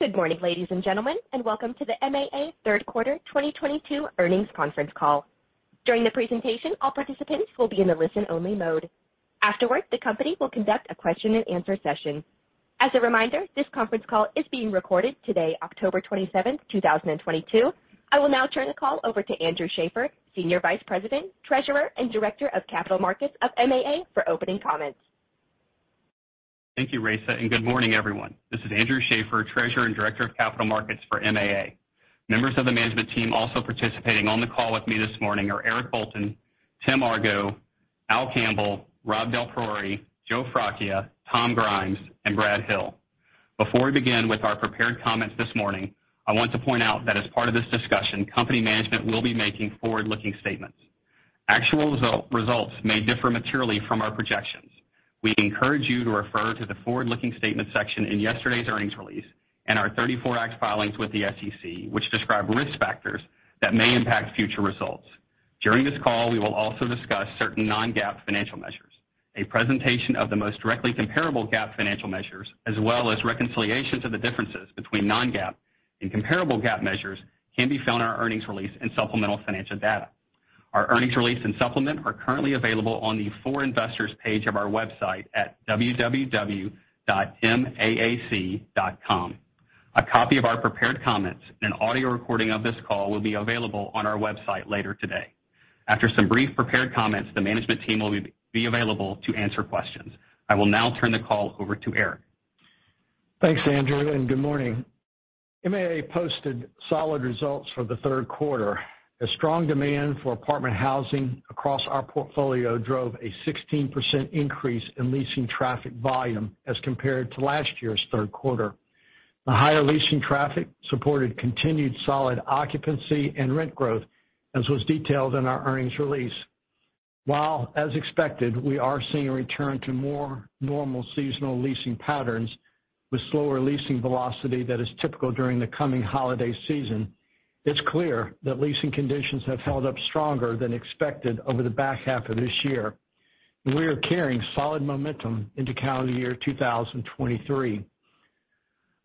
Good morning, ladies and gentlemen, and welcome to the MAA third quarter 2022 earnings conference call. During the presentation, all participants will be in the listen-only mode. Afterwards, the company will conduct a question-and-answer session. As a reminder, this conference call is being recorded today, October 27, 2022. I will now turn the call over to Andrew Schaeffer, Senior Vice President, Treasurer, and Director of Capital Markets of MAA for opening comments. Thank you, Raisa, and good morning, everyone. This is Andrew Schaeffer, Treasurer and Director of Capital Markets for MAA. Members of the management team also participating on the call with me this morning are Eric Bolton, Tim Argo, Albert Campbell, Rob DelPriore, Joe Fracchia, Tom Grimes, and Brad Hill. Before we begin with our prepared comments this morning, I want to point out that as part of this discussion, company management will be making forward-looking statements. Actual results may differ materially from our projections. We encourage you to refer to the forward-looking statement section in yesterday's earnings release and our 34 Act filings with the SEC, which describe risk factors that may impact future results. During this call, we will also discuss certain non-GAAP financial measures. A presentation of the most directly comparable GAAP financial measures, as well as reconciliations of the differences between non-GAAP and comparable GAAP measures, can be found in our earnings release and supplemental financial data. Our earnings release and supplement are currently available on the For Investors page of our website at www.maac.com. A copy of our prepared comments and an audio recording of this call will be available on our website later today. After some brief prepared comments, the management team will be available to answer questions. I will now turn the call over to Eric. Thanks, Andrew, and good morning. MAA posted solid results for the third quarter. A strong demand for apartment housing across our portfolio drove a 16% increase in leasing traffic volume as compared to last year's third quarter. The higher leasing traffic supported continued solid occupancy and rent growth, as was detailed in our earnings release. While, as expected, we are seeing a return to more normal seasonal leasing patterns with slower leasing velocity that is typical during the coming holiday season, it's clear that leasing conditions have held up stronger than expected over the back half of this year, and we are carrying solid momentum into calendar year 2023.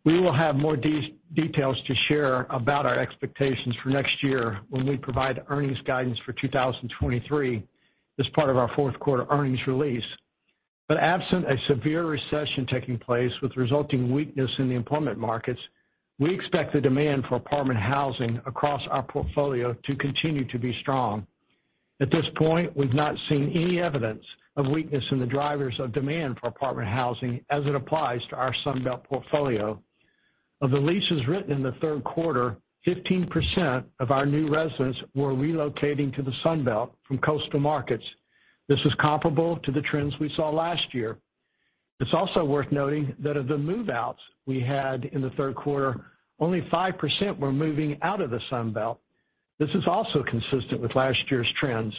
We will have more details to share about our expectations for next year when we provide earnings guidance for 2023 as part of our fourth-quarter earnings release. Absent a severe recession taking place with resulting weakness in the employment markets, we expect the demand for apartment housing across our portfolio to continue to be strong. At this point, we've not seen any evidence of weakness in the drivers of demand for apartment housing as it applies to our Sunbelt portfolio. Of the leases written in the third quarter, 15% of our new residents were relocating to the Sunbelt from coastal markets. This was comparable to the trends we saw last year. It's also worth noting that of the move-outs we had in the third quarter, only 5% were moving out of the Sunbelt. This is also consistent with last year's trends.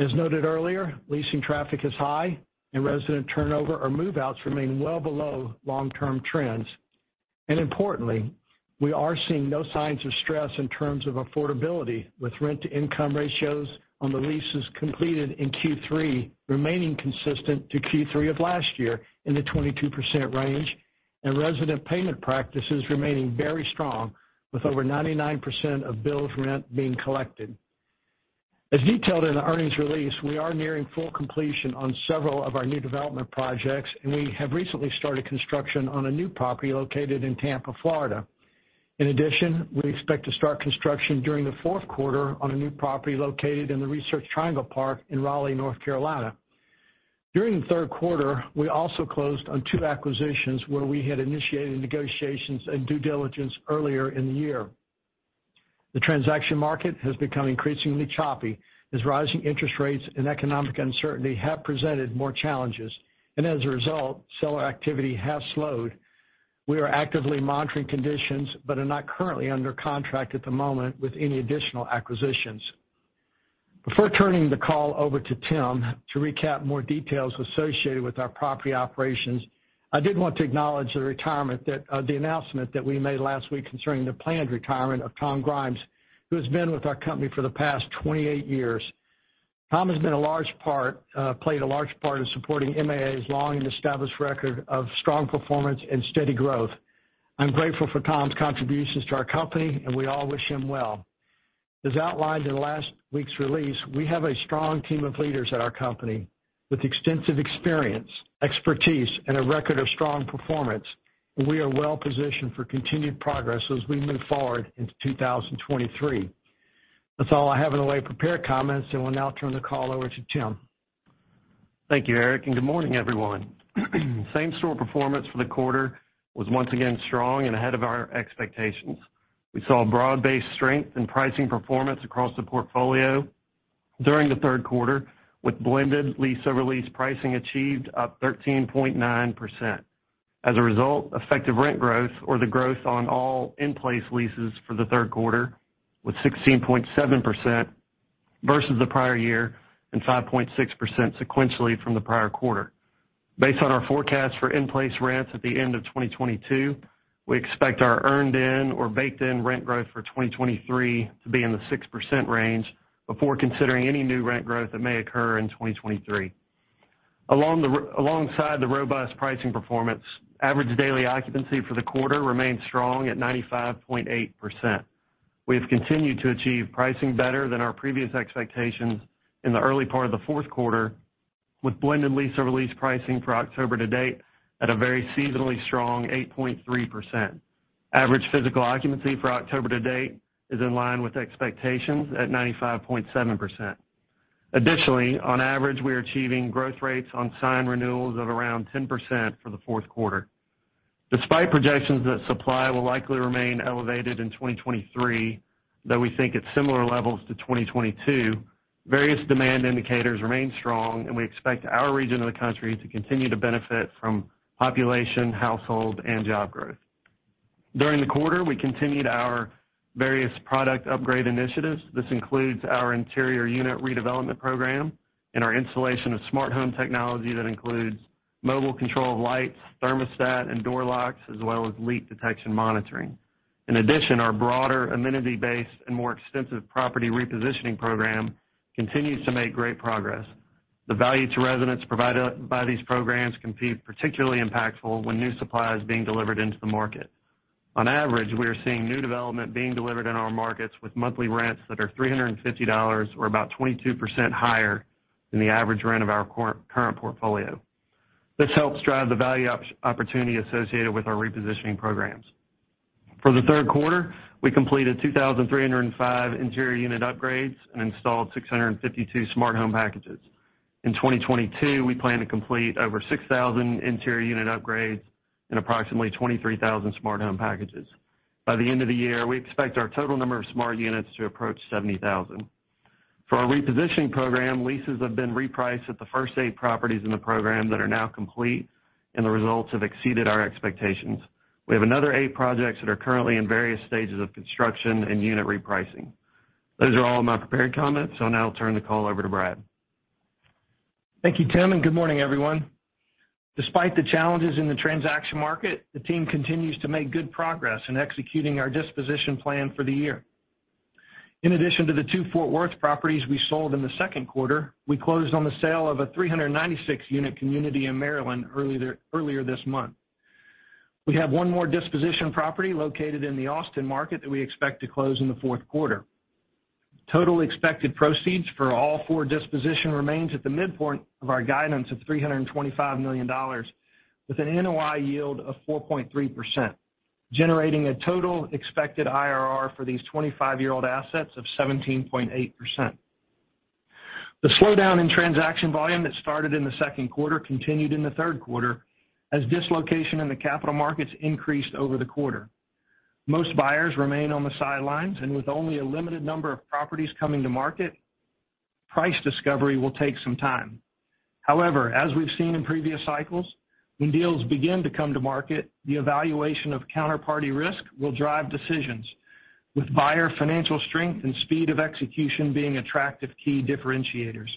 As noted earlier, leasing traffic is high, and resident turnover or move-outs remain well below long-term trends. Importantly, we are seeing no signs of stress in terms of affordability, with rent-to-income ratios on the leases completed in Q3 remaining consistent to Q3 of last year in the 22% range, and resident payment practices remaining very strong, with over 99% of billed rent being collected. As detailed in the earnings release, we are nearing full completion on several of our new development projects, and we have recently started construction on a new property located in Tampa, Florida. In addition, we expect to start construction during the fourth quarter on a new property located in the Research Triangle Park in Raleigh, North Carolina. During the third quarter, we also closed on two acquisitions where we had initiated negotiations and due diligence earlier in the year. The transaction market has become increasingly choppy as rising interest rates and economic uncertainty have presented more challenges. As a result, seller activity has slowed. We are actively monitoring conditions, but are not currently under contract at the moment with any additional acquisitions. Before turning the call over to Tim to recap more details associated with our property operations, I did want to acknowledge the announcement that we made last week concerning the planned retirement of Tom Grimes, who has been with our company for the past 28 years. Tom has played a large part in supporting MAA's long and established record of strong performance and steady growth. I'm grateful for Tom's contributions to our company, and we all wish him well. As outlined in last week's release, we have a strong team of leaders at our company with extensive experience, expertise, and a record of strong performance, and we are well positioned for continued progress as we move forward into 2023. That's all I have in the way of prepared comments, and we'll now turn the call over to Tim. Thank you, Eric, and good morning, everyone. Same-store performance for the quarter was once again strong and ahead of our expectations. We saw broad-based strength in pricing performance across the portfolio during the third quarter, with blended lease-over-lease pricing achieved up 13.9%. As a result, effective rent growth or the growth on all in-place leases for the third quarter was 16.7% versus the prior year and 5.6% sequentially from the prior quarter. Based on our forecast for in-place rents at the end of 2022. We expect our earn-in or baked in rent growth for 2023 to be in the 6% range before considering any new rent growth that may occur in 2023. Alongside the robust pricing performance, average daily occupancy for the quarter remained strong at 95.8%. We have continued to achieve pricing better than our previous expectations in the early part of the fourth quarter, with blended lease-over-lease pricing for October to date at a very seasonally strong 8.3%. Average physical occupancy for October to date is in line with expectations at 95.7%. Additionally, on average, we are achieving growth rates on signed renewals of around 10% for the fourth quarter. Despite projections that supply will likely remain elevated in 2023, though we think at similar levels to 2022, various demand indicators remain strong, and we expect our region of the country to continue to benefit from population, household, and job growth. During the quarter, we continued our various product upgrade initiatives. This includes our interior unit redevelopment program and our installation of smart home technology that includes mobile control of lights, thermostat, and door locks, as well as leak detection monitoring. In addition, our broader amenity-based and more extensive property repositioning program continues to make great progress. The value to residents provided by these programs can be particularly impactful when new supply is being delivered into the market. On average, we are seeing new development being delivered in our markets with monthly rents that are $350 or about 22% higher than the average rent of our current portfolio. This helps drive the value opportunity associated with our repositioning programs. For the third quarter, we completed 2,305 interior unit upgrades and installed 652 smart home packages. In 2022, we plan to complete over 6,000 interior unit upgrades and approximately 23,000 smart home packages. By the end of the year, we expect our total number of smart units to approach 70,000. For our repositioning program, leases have been repriced at the first eight properties in the program that are now complete, and the results have exceeded our expectations. We have another eight projects that are currently in various stages of construction and unit repricing. Those are all my prepared comments. Now I'll turn the call over to Brad. Thank you, Tim, and good morning, everyone. Despite the challenges in the transaction market, the team continues to make good progress in executing our disposition plan for the year. In addition to the two Fort Worth properties we sold in the second quarter, we closed on the sale of a 396-unit community in Maryland earlier this month. We have one more disposition property located in the Austin market that we expect to close in the fourth quarter. Total expected proceeds for all four disposition remains at the midpoint of our guidance of $325 million with an NOI yield of 4.3%, generating a total expected IRR for these 25-year-old assets of 17.8%. The slowdown in transaction volume that started in the second quarter continued in the third quarter as dislocation in the capital markets increased over the quarter. Most buyers remain on the sidelines, and with only a limited number of properties coming to market, price discovery will take some time. However, as we've seen in previous cycles, when deals begin to come to market, the evaluation of counterparty risk will drive decisions, with buyer financial strength and speed of execution being attractive key differentiators.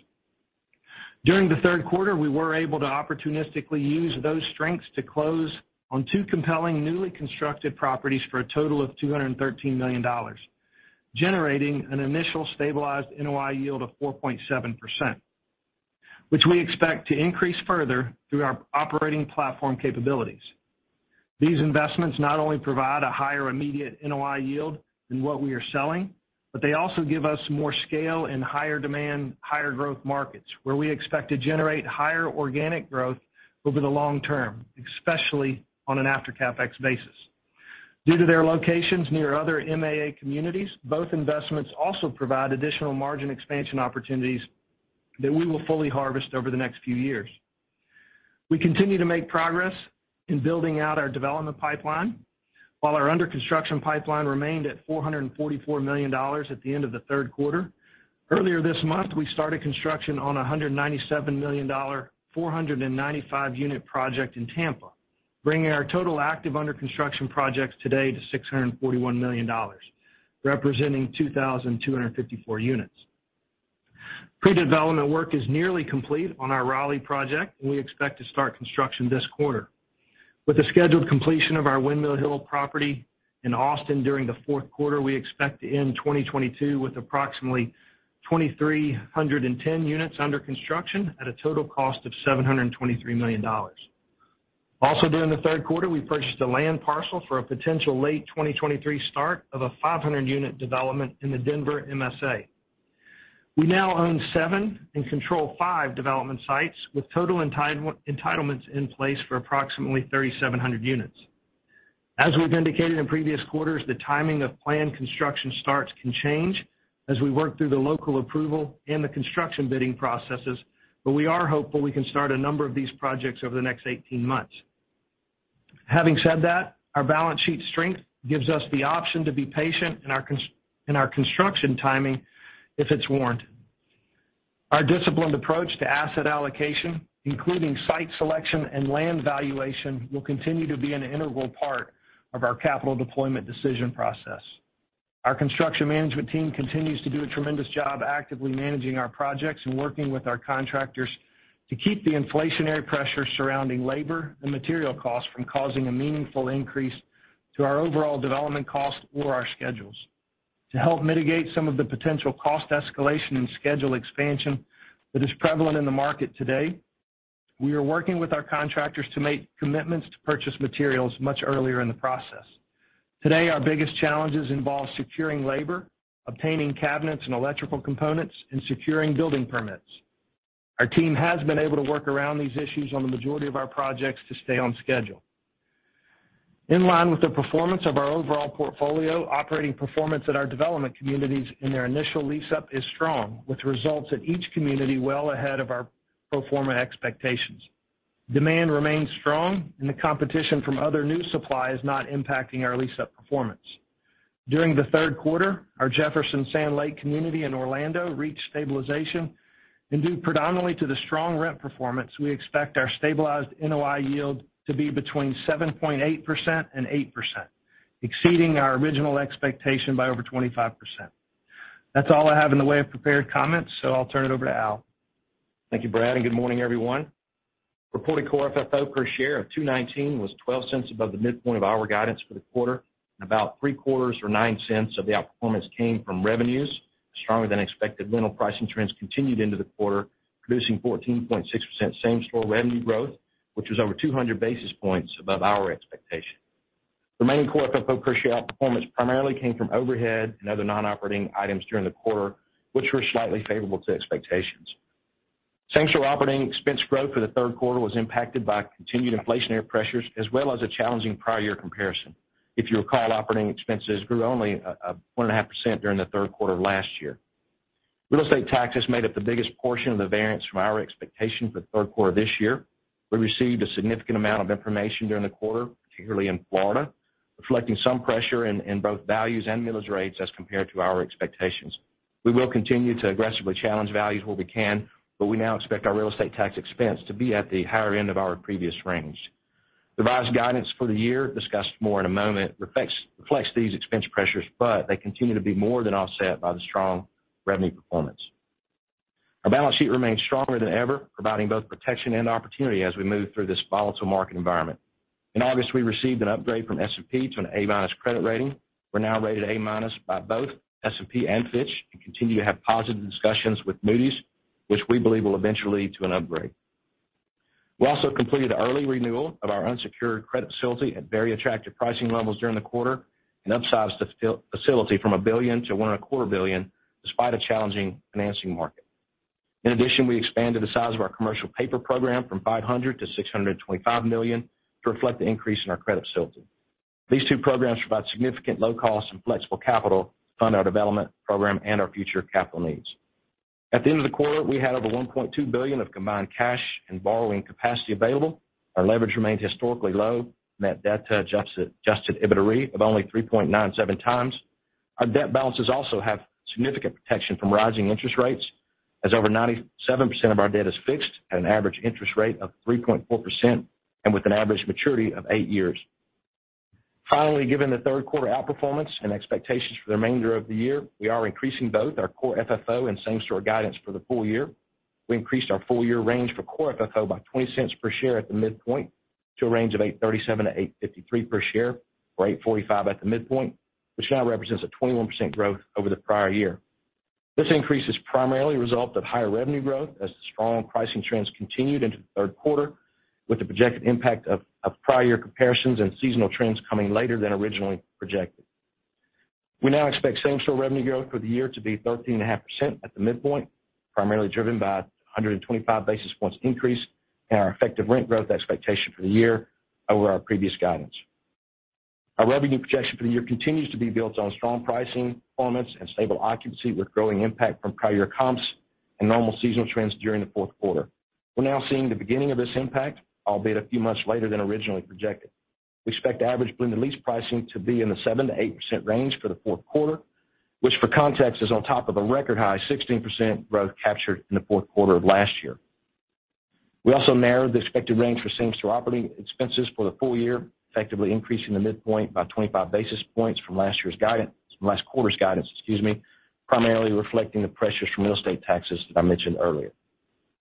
During the third quarter, we were able to opportunistically use those strengths to close on two compelling newly constructed properties for a total of $213 million, generating an initial stabilized NOI yield of 4.7%, which we expect to increase further through our operating platform capabilities. These investments not only provide a higher immediate NOI yield than what we are selling, but they also give us more scale and higher demand, higher growth markets, where we expect to generate higher organic growth over the long term, especially on an after CapEx basis. Due to their locations near other MAA communities, both investments also provide additional margin expansion opportunities that we will fully harvest over the next few years. We continue to make progress in building out our development pipeline. While our under construction pipeline remained at $444 million at the end of the third quarter, earlier this month, we started construction on a $197 million, 495-unit project in Tampa, bringing our total active under construction projects today to $641 million, representing 2,254 units. Pre-development work is nearly complete on our Raleigh project. We expect to start construction this quarter. With the scheduled completion of our Windmill Hill property in Austin during the fourth quarter, we expect to end 2022 with approximately 2,310 units under construction at a total cost of $723 million. Also during the third quarter, we purchased a land parcel for a potential late 2023 start of a 500-unit development in the Denver MSA. We now own seven and control five development sites with total entitlements in place for approximately 3,700 units. As we've indicated in previous quarters, the timing of planned construction starts can change as we work through the local approval and the construction bidding processes, but we are hopeful we can start a number of these projects over the next 18 months. Having said that, our balance sheet strength gives us the option to be patient in our construction timing if it's warranted. Our disciplined approach to asset allocation, including site selection and land valuation, will continue to be an integral part of our capital deployment decision process. Our construction management team continues to do a tremendous job actively managing our projects and working with our contractors to keep the inflationary pressure surrounding labor and material costs from causing a meaningful increase to our overall development costs or our schedules. To help mitigate some of the potential cost escalation and schedule expansion that is prevalent in the market today, we are working with our contractors to make commitments to purchase materials much earlier in the process. Today, our biggest challenges involve securing labor, obtaining cabinets and electrical components, and securing building permits. Our team has been able to work around these issues on the majority of our projects to stay on schedule. In line with the performance of our overall portfolio, operating performance at our development communities in their initial lease-up is strong, with results at each community well ahead of our pro forma expectations. Demand remains strong, and the competition from other new supply is not impacting our lease-up performance. During the third quarter, our MAA Sand Lake community in Orlando reached stabilization. Due predominantly to the strong rent performance, we expect our stabilized NOI yield to be between 7.8% and 8%, exceeding our original expectation by over 25%. That's all I have in the way of prepared comments, so I'll turn it over to Al. Thank you, Brad, and good morning, everyone. Reported Core FFO per share of $2.19 was $0.12 above the midpoint of our guidance for the quarter, and about three-quarters or $0.09 of the outperformance came from revenues. Stronger-than-expected rental pricing trends continued into the quarter, producing 14.6% same-store revenue growth, which was over 200 basis points above our expectation. The main Core FFO per share outperformance primarily came from overhead and other non-operating items during the quarter, which were slightly favorable to expectations. Same-store operating expense growth for the third quarter was impacted by continued inflationary pressures as well as a challenging prior year comparison. If you recall, operating expenses grew only 1.5% during the third quarter of last year. Real estate taxes made up the biggest portion of the variance from our expectation for the third quarter this year. We received a significant amount of information during the quarter, particularly in Florida, reflecting some pressure in both values and millage rates as compared to our expectations. We will continue to aggressively challenge values where we can, but we now expect our real estate tax expense to be at the higher end of our previous range. Revised guidance for the year, discussed more in a moment, reflects these expense pressures, but they continue to be more than offset by the strong revenue performance. Our balance sheet remains stronger than ever, providing both protection and opportunity as we move through this volatile market environment. In August, we received an upgrade from S&P to an A- credit rating. We're now rated A- by both S&P and Fitch, and continue to have positive discussions with Moody's, which we believe will eventually lead to an upgrade. We also completed an early renewal of our unsecured credit facility at very attractive pricing levels during the quarter and upsized facility from $1 billion to $1.25 billion despite a challenging financing market. In addition, we expanded the size of our commercial paper program from $500 million-$625 million to reflect the increase in our credit facility. These two programs provide significant low cost and flexible capital to fund our development program and our future capital needs. At the end of the quarter, we had over $1.2 billion of combined cash and borrowing capacity available. Our leverage remains historically low, net debt-to-adjusted EBITDA of only 3.97 times. Our debt balances also have significant protection from rising interest rates, as over 97% of our debt is fixed at an average interest rate of 3.4% and with an average maturity of eight years. Finally, given the third quarter outperformance and expectations for the remainder of the year, we are increasing both our Core FFO and same-store guidance for the full year. We increased our full-year range for Core FFO by $0.20 per share at the midpoint to a range of $8.37-$8.53 per share, or $8.45 at the midpoint, which now represents a 21% growth over the prior year. This increase is primarily a result of higher revenue growth as the strong pricing trends continued into the third quarter, with the projected impact of prior year comparisons and seasonal trends coming later than originally projected. We now expect same-store revenue growth for the year to be 13.5% at the midpoint, primarily driven by 125 basis points increase in our effective rent growth expectation for the year over our previous guidance. Our revenue projection for the year continues to be built on strong pricing performance and stable occupancy, with growing impact from prior year comps and normal seasonal trends during the fourth quarter. We're now seeing the beginning of this impact, albeit a few months later than originally projected. We expect average blended lease pricing to be in the 7%-8% range for the fourth quarter, which for context, is on top of a record high 16% growth captured in the fourth quarter of last year. We also narrowed the expected range for same-store operating expenses for the full year, effectively increasing the midpoint by 25 basis points from last quarter's guidance, excuse me, primarily reflecting the pressures from real estate taxes that I mentioned earlier.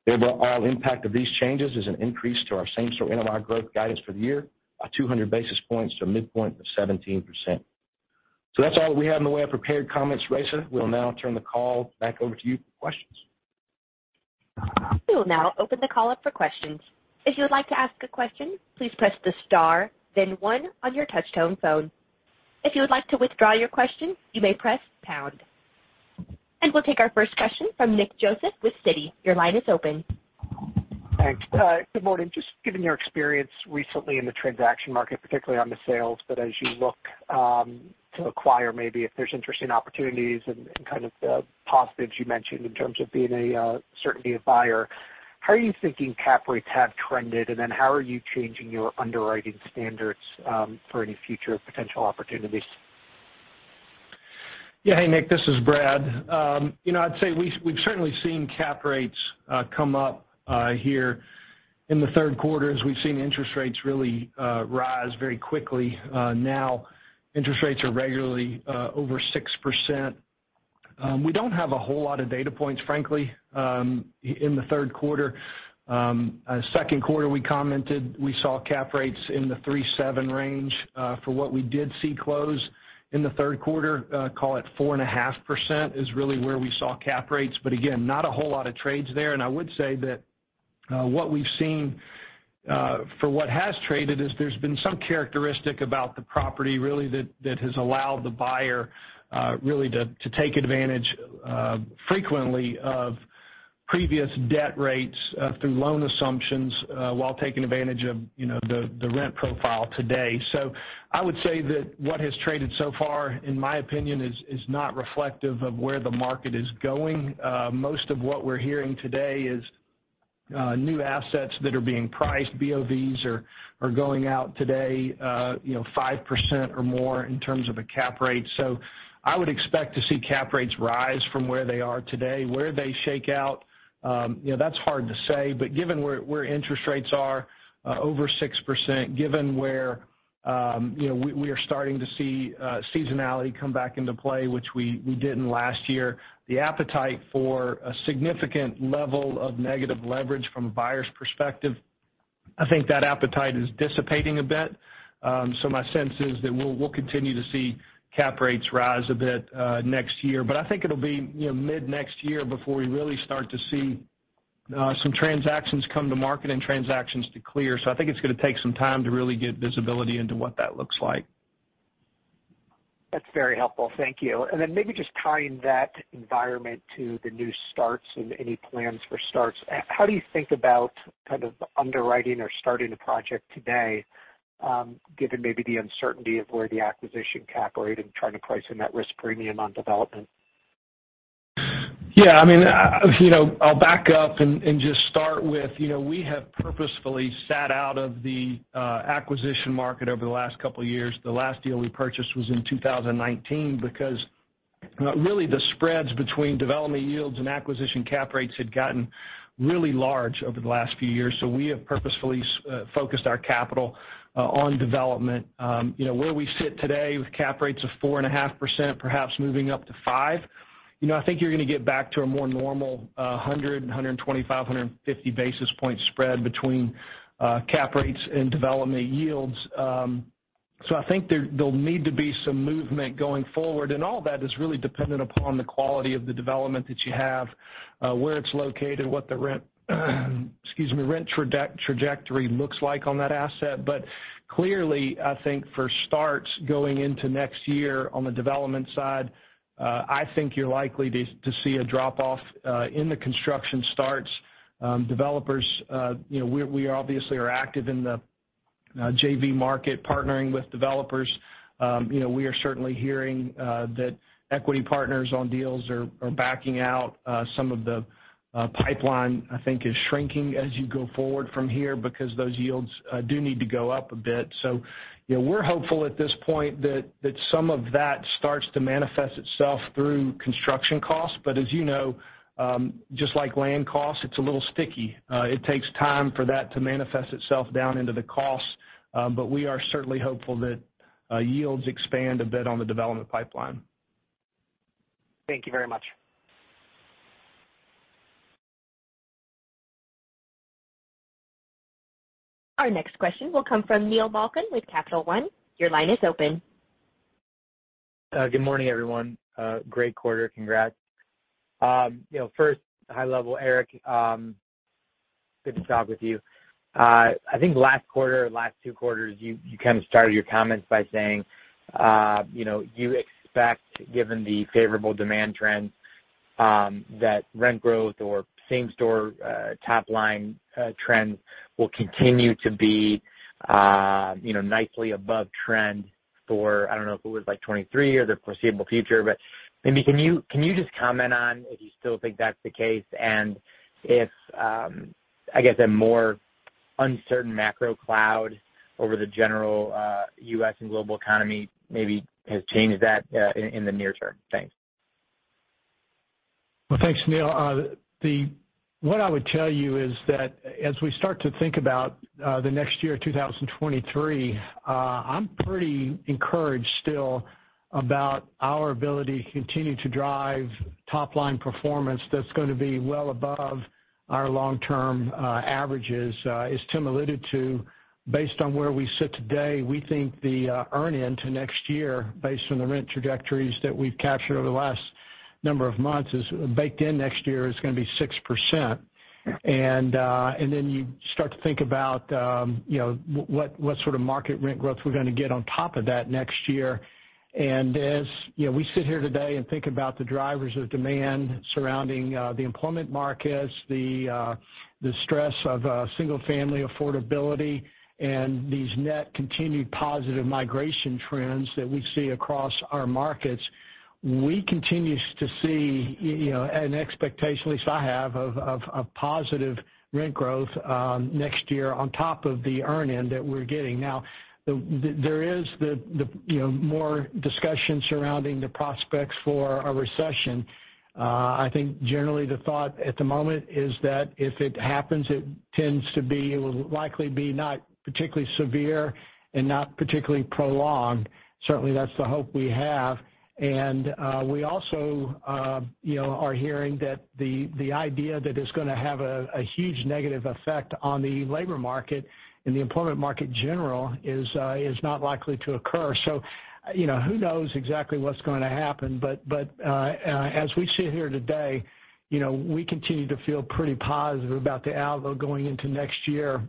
The overall impact of these changes is an increase to our same-store NOI growth guidance for the year by 200 basis points to a midpoint of 17%. That's all we have in the way of prepared comments. Raisa, we'll now turn the call back over to you for questions. We will now open the call up for questions. If you would like to ask a question, please press the star, then one on your touchtone phone. If you would like to withdraw your question, you may press pound. We'll take our first question from Nick Joseph with Citi. Your line is open. Thanks. Good morning. Just given your experience recently in the transaction market, particularly on the sales, but as you look to acquire maybe if there's interesting opportunities and kind of the positives you mentioned in terms of being a certainly a buyer, how are you thinking cap rates have trended, and then how are you changing your underwriting standards for any future potential opportunities? Yeah. Hey, Nick, this is Brad. You know, I'd say we've certainly seen cap rates come up here. In the third quarter, as we've seen interest rates really rise very quickly. Now interest rates are regularly over 6%. We don't have a whole lot of data points, frankly, in the third quarter. Second quarter, we commented we saw cap rates in the 3-7 range. For what we did see close in the third quarter, call it 4.5% is really where we saw cap rates. Again, not a whole lot of trades there. I would say that what we've seen for what has traded is there's been some characteristic about the property really that has allowed the buyer really to take advantage frequently of previous debt rates through loan assumptions while taking advantage of, you know, the rent profile today. I would say that what has traded so far, in my opinion, is not reflective of where the market is going. Most of what we're hearing today is new assets that are being priced. BOV are going out today, you know, 5% or more in terms of a cap rate. I would expect to see cap rates rise from where they are today. Where they shake out, you know, that's hard to say, but given where interest rates are over 6%, given where, you know, we are starting to see seasonality come back into play, which we didn't last year. The appetite for a significant level of negative leverage from a buyer's perspective, I think that appetite is dissipating a bit. My sense is that we'll continue to see cap rates rise a bit next year. I think it'll be, you know, mid-next year before we really start to see some transactions come to market and transactions to clear. I think it's gonna take some time to really get visibility into what that looks like. That's very helpful. Thank you. Then maybe just tying that environment to the new starts and any plans for starts, how do you think about kind of underwriting or starting a project today, given maybe the uncertainty of where the acquisition cap rate and trying to price in that risk premium on development? Yeah, I mean, you know, I'll back up and just start with, you know, we have purposefully sat out of the acquisition market over the last couple years. The last deal we purchased was in 2019 because really the spreads between development yields and acquisition cap rates had gotten really large over the last few years. We have purposefully focused our capital on development. You know, where we sit today with cap rates of 4.5%, perhaps moving up to 5%, you know, I think you're gonna get back to a more normal 125-150 basis point spread between cap rates and development yields. I think there'll need to be some movement going forward, and all that is really dependent upon the quality of the development that you have, where it's located, what the rent trajectory looks like on that asset. Clearly, I think for starts going into next year on the development side, I think you're likely to see a drop off in the construction starts. Developers, you know, we obviously are active in the JV market, partnering with developers. You know, we are certainly hearing that equity partners on deals are backing out. Some of the pipeline, I think, is shrinking as you go forward from here because those yields do need to go up a bit. We're hopeful at this point that that some of that starts to manifest itself through construction costs. As you know, just like land costs, it's a little sticky. It takes time for that to manifest itself down into the costs. We are certainly hopeful that yields expand a bit on the development pipeline. Thank you very much. Our next question will come from Neil Malkin with Capital One. Your line is open. Good morning, everyone. Great quarter. Congrats. You know, first high level, Eric, good to talk with you. I think last quarter or last two quarters, you kind of started your comments by saying, you know, you expect, given the favorable demand trends, that rent growth or same-store, top-line, trends will continue to be, you know, nicely above trend for, I don't know if it was like 2023 or the foreseeable future. Maybe can you just comment on if you still think that's the case and if, I guess a more uncertain macro cloud over the general, U.S. and global economy maybe has changed that, in the near term? Thanks. Well, thanks, Neil. What I would tell you is that as we start to think about the next year, 2023, I'm pretty encouraged still about our ability to continue to drive top-line performance that's gonna be well above our long-term averages. As Tim alluded to, based on where we sit today, we think the earn-in to next year, based on the rent trajectories that we've captured over the last number of months is baked in next year is gonna be 6%. You start to think about, you know, what sort of market rent growth we're gonna get on top of that next year. As you know, we sit here today and think about the drivers of demand surrounding the employment markets, the stress of single-family affordability, and these net continued positive migration trends that we see across our markets, we continue to see you know, an expectation, at least I have, of positive rent growth next year on top of the earn-in that we're getting. Now, there is you know, more discussion surrounding the prospects for a recession. I think generally the thought at the moment is that if it happens, it will likely be not particularly severe and not particularly prolonged. Certainly, that's the hope we have. We also, you know, are hearing that the idea that it's gonna have a huge negative effect on the labor market and the employment market in general is not likely to occur. You know, who knows exactly what's gonna happen, but as we sit here today, you know, we continue to feel pretty positive about the outlook going into next year.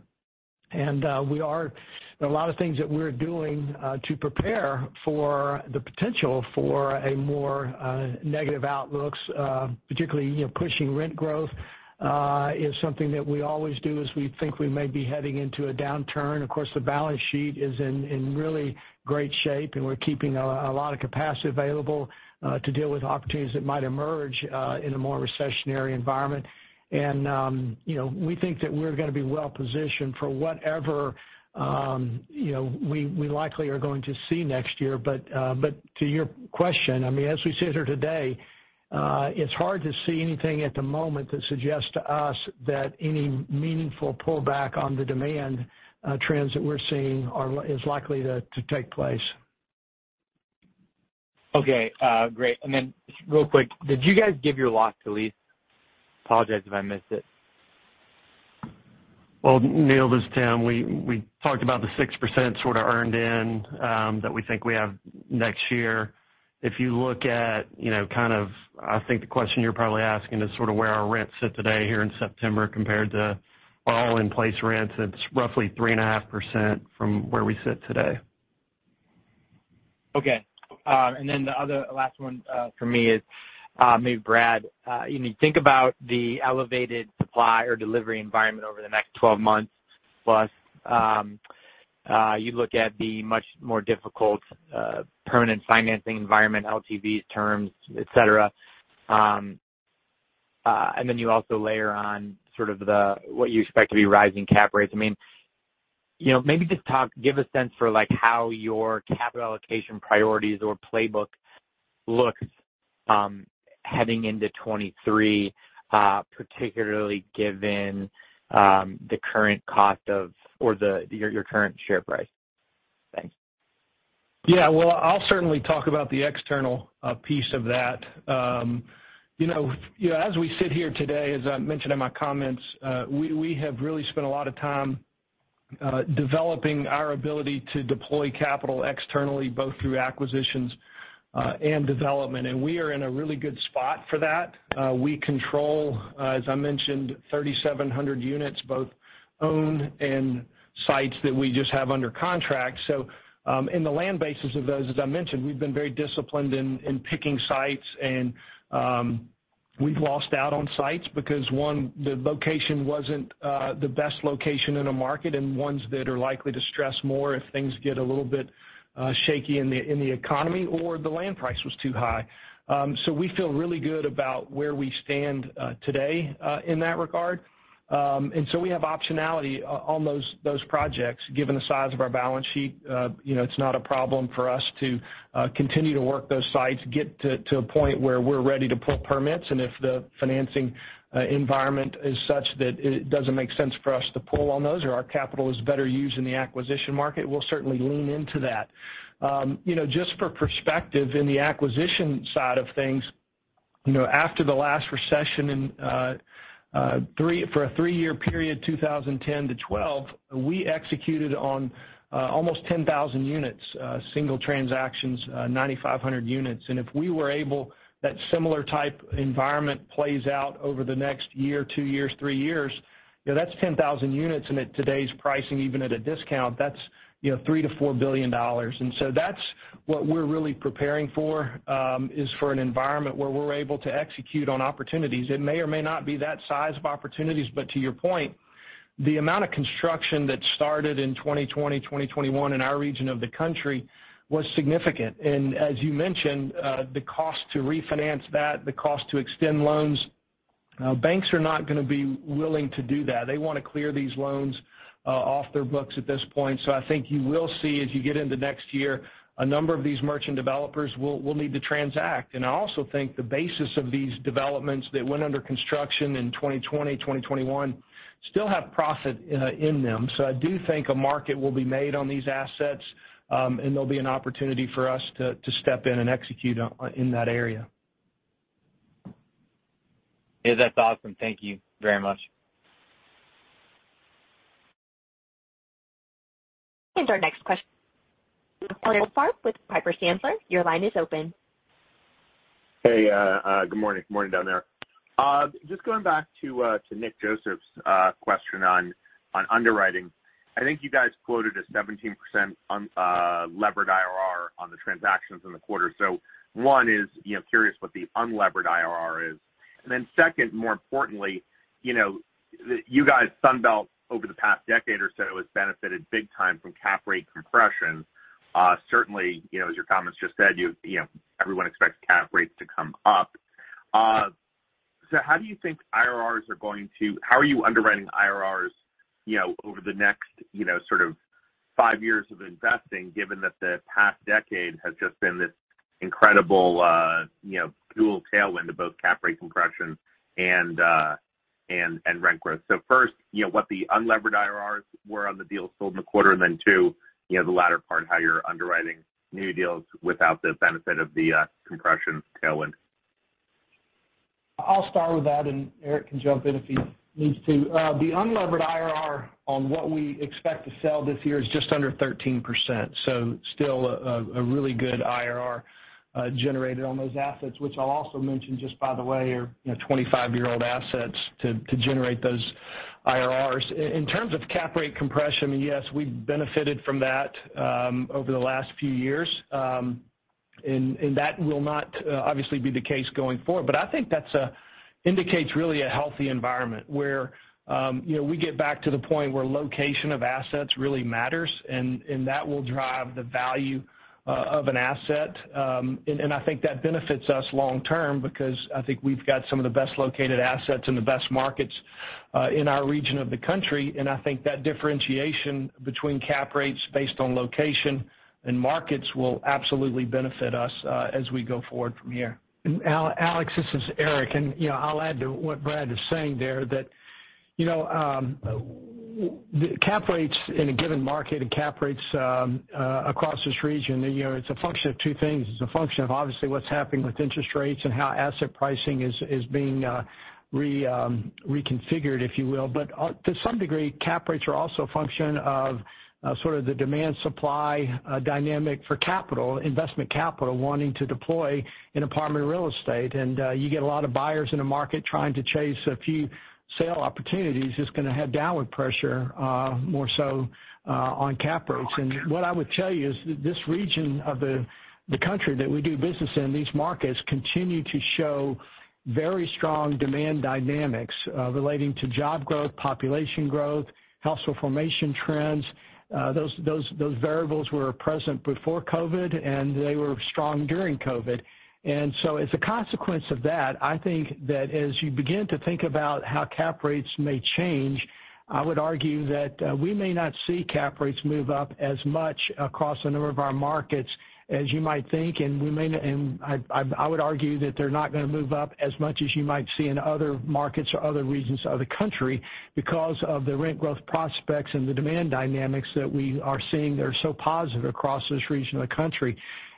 A lot of things that we're doing to prepare for the potential for a more negative outlooks, particularly, you know, pushing rent growth, is something that we always do as we think we may be heading into a downturn. Of course, the balance sheet is in really great shape, and we're keeping a lot of capacity available to deal with opportunities that might emerge in a more recessionary environment. You know, we think that we're gonna be well positioned for whatever, you know, we likely are going to see next year. To your question, I mean, as we sit here today, it's hard to see anything at the moment that suggests to us that any meaningful pullback on the demand trends that we're seeing is likely to take place. Okay, great. Just real quick, did you guys give your loss to lease? Apologies if I missed it. Well, Neil, this is Tim. We talked about the 6% sort of earn-in that we think we have next year. If you look at, you know, kind of, I think the question you're probably asking is sort of where our rents sit today here in September compared to all in-place rents. It's roughly 3.5% from where we sit today. Okay. And then the other last one for me is maybe Brad, you know, think about the elevated supply or delivery environment over the next 12 months plus. You look at the much more difficult permanent financing environment, LTVs terms, et cetera. And then you also layer on sort of the what you expect to be rising cap rates. I mean, you know, maybe just talk, give a sense for like how your capital allocation priorities or playbook looks heading into 2023, particularly given your current share price. Thanks. Yeah. Well, I'll certainly talk about the external piece of that. You know, as we sit here today, as I mentioned in my comments, we have really spent a lot of time developing our ability to deploy capital externally, both through acquisitions and development. We are in a really good spot for that. We control, as I mentioned, 3,700 units, both owned and sites that we just have under contract. In the land bases of those, as I mentioned, we've been very disciplined in picking sites and we've lost out on sites because, one, the location wasn't the best location in a market and ones that are likely to stress more if things get a little bit shaky in the economy or the land price was too high. We feel really good about where we stand today in that regard. We have optionality on those projects. Given the size of our balance sheet, you know, it's not a problem for us to continue to work those sites, get to a point where we're ready to pull permits. If the financing environment is such that it doesn't make sense for us to pull on those or our capital is better used in the acquisition market, we'll certainly lean into that. You know, just for perspective, in the acquisition side of things, you know, after the last recession in, for a 3-year period, 2010 to 2012, we executed on almost 10,000 units, single transactions, 9,500 units. If we were able, that similar type environment plays out over the next year, two years, three years, you know, that's 10,000 units. At today's pricing, even at a discount, that's, you know, $3 billion-$4 billion. That's what we're really preparing for is for an environment where we're able to execute on opportunities. It may or may not be that size of opportunities, but to your point, the amount of construction that started in 2020, 2021 in our region of the country was significant. As you mentioned, the cost to refinance that, the cost to extend loans, banks are not gonna be willing to do that. They wanna clear these loans off their books at this point. I think you will see as you get into next year, a number of these merchant developers will need to transact. I also think the basis of these developments that went under construction in 2020, 2021 still have profit in them. I do think a market will be made on these assets, and there'll be an opportunity for us to step in and execute in that area. Yeah, that's awesome. Thank you very much. Our next Alexander Goldfarb with Piper Sandler, your line is open. Hey, good morning. Good morning down there. Just going back to Nick Joseph's question on underwriting. I think you guys quoted a 17% unlevered IRR on the transactions in the quarter. One is, you know, curious what the unlevered IRR is. Second, more importantly, you know, you guys, Sunbelt over the past decade or so, has benefited big time from cap rate compression. Certainly, you know, as your comments just said, you know, everyone expects cap rates to come up. How are you underwriting IRRs, you know, over the next, you know, sort of five years of investing, given that the past decade has just been this incredible, you know, dual tailwind of both cap rate compression and rent growth. First, you know, what the unlevered IRRs were on the deals sold in the quarter, and then two, you know, the latter part, how you're underwriting new deals without the benefit of the compression tailwind. I'll start with that, and Eric can jump in if he needs to. The unlevered IRR on what we expect to sell this year is just under 13%. Still a really good IRR generated on those assets, which I'll also mention, just by the way, are 25-year-old assets to generate those IRRs. In terms of cap rate compression, yes, we've benefited from that over the last few years, and that will not obviously be the case going forward. I think that indicates really a healthy environment where we get back to the point where location of assets really matters and that will drive the value of an asset. I think that benefits us long term because I think we've got some of the best located assets in the best markets in our region of the country. I think that differentiation between cap rates based on location and markets will absolutely benefit us as we go forward from here. Al, Alex, this is Eric, and you know, I'll add to what Brad is saying there that, you know, the cap rates in a given market and cap rates across this region, you know, it's a function of two things. It's a function of obviously what's happening with interest rates and how asset pricing is being reconfigured, if you will. But to some degree, cap rates are also a function of sort of the demand-supply dynamic for capital, investment capital wanting to deploy in apartment real estate. You get a lot of buyers in a market trying to chase a few sale opportunities is gonna have downward pressure more so on cap rates. What I would tell you is that this region of the country that we do business in, these markets continue to show very strong demand dynamics, relating to job growth, population growth, household formation trends. Those variables were present before COVID, and they were strong during COVID. As a consequence of that, I think that as you begin to think about how cap rates may change, I would argue that, we may not see cap rates move up as much across a number of our markets as you might think. I would argue that they're not gonna move up as much as you might see in other markets or other regions of the country because of the rent growth prospects and the demand dynamics that we are seeing that are so positive across this region of the country.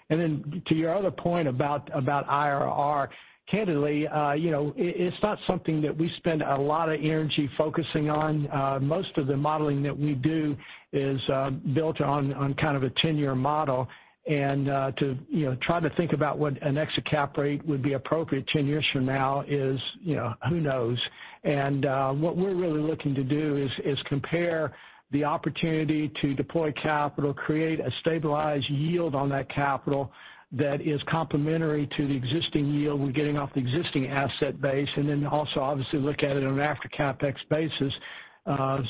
Then to your other point about IRR, candidly, you know, it's not something that we spend a lot of energy focusing on. Most of the modeling that we do is built on kind of a 10-year model. To you know, try to think about what an exit cap rate would be appropriate 10 years from now is, you know, who knows. What we're really looking to do is compare the opportunity to deploy capital, create a stabilized yield on that capital that is complementary to the existing yield we're getting off the existing asset base, and then also obviously look at it on an after CapEx basis,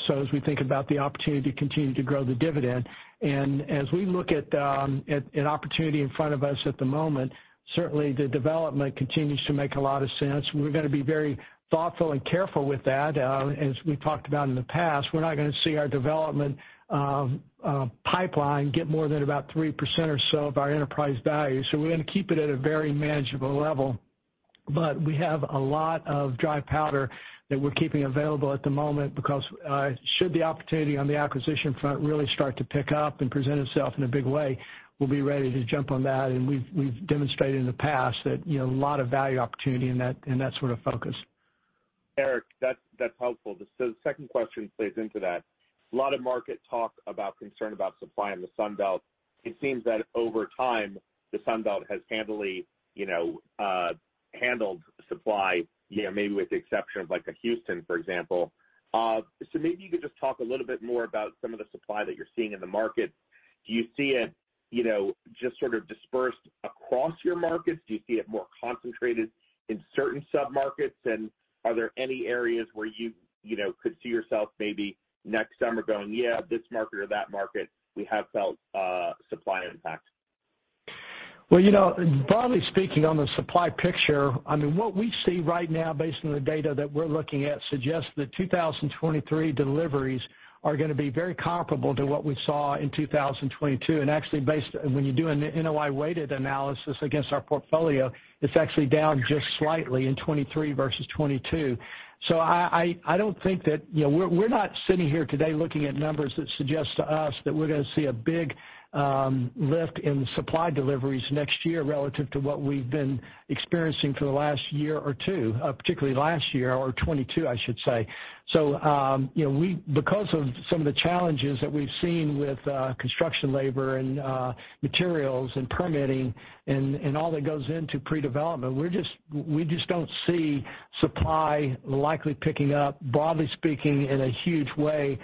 so as we think about the opportunity to continue to grow the dividend. As we look at an opportunity in front of us at the moment, certainly the development continues to make a lot of sense. We're gonna be very thoughtful and careful with that. As we talked about in the past, we're not gonna see our development pipeline get more than about 3% or so of our enterprise value. We're gonna keep it at a very manageable level. We have a lot of dry powder that we're keeping available at the moment because should the opportunity on the acquisition front really start to pick up and present itself in a big way, we'll be ready to jump on that. We've demonstrated in the past that, you know, a lot of value opportunity in that sort of focus. Eric, that's helpful. The second question plays into that. A lot of market talk about concern about supply in the Sun Belt. It seems that over time, the Sun Belt has handily, you know, handled supply, you know, maybe with the exception of like a Houston, for example. Maybe you could just talk a little bit more about some of the supply that you're seeing in the market. Do you see it, you know, just sort of dispersed across your markets? Do you see it more concentrated in certain submarkets? And are there any areas where you know, could see yourself maybe next summer going, "Yeah, this market or that market, we have felt supply impact"? Well, you know, broadly speaking, on the supply picture, I mean, what we see right now based on the data that we're looking at suggests that 2023 deliveries are gonna be very comparable to what we saw in 2022. Actually, when you do an NOI-weighted analysis against our portfolio, it's actually down just slightly in 2023 versus 2022. I don't think that. You know, we're not sitting here today looking at numbers that suggest to us that we're gonna see a big lift in supply deliveries next year relative to what we've been experiencing for the last year or two, particularly last year or 2022, I should say. You know, because of some of the challenges that we've seen with construction labor and materials and permitting and all that goes into pre-development, we just don't see supply likely picking up, broadly speaking, in a huge way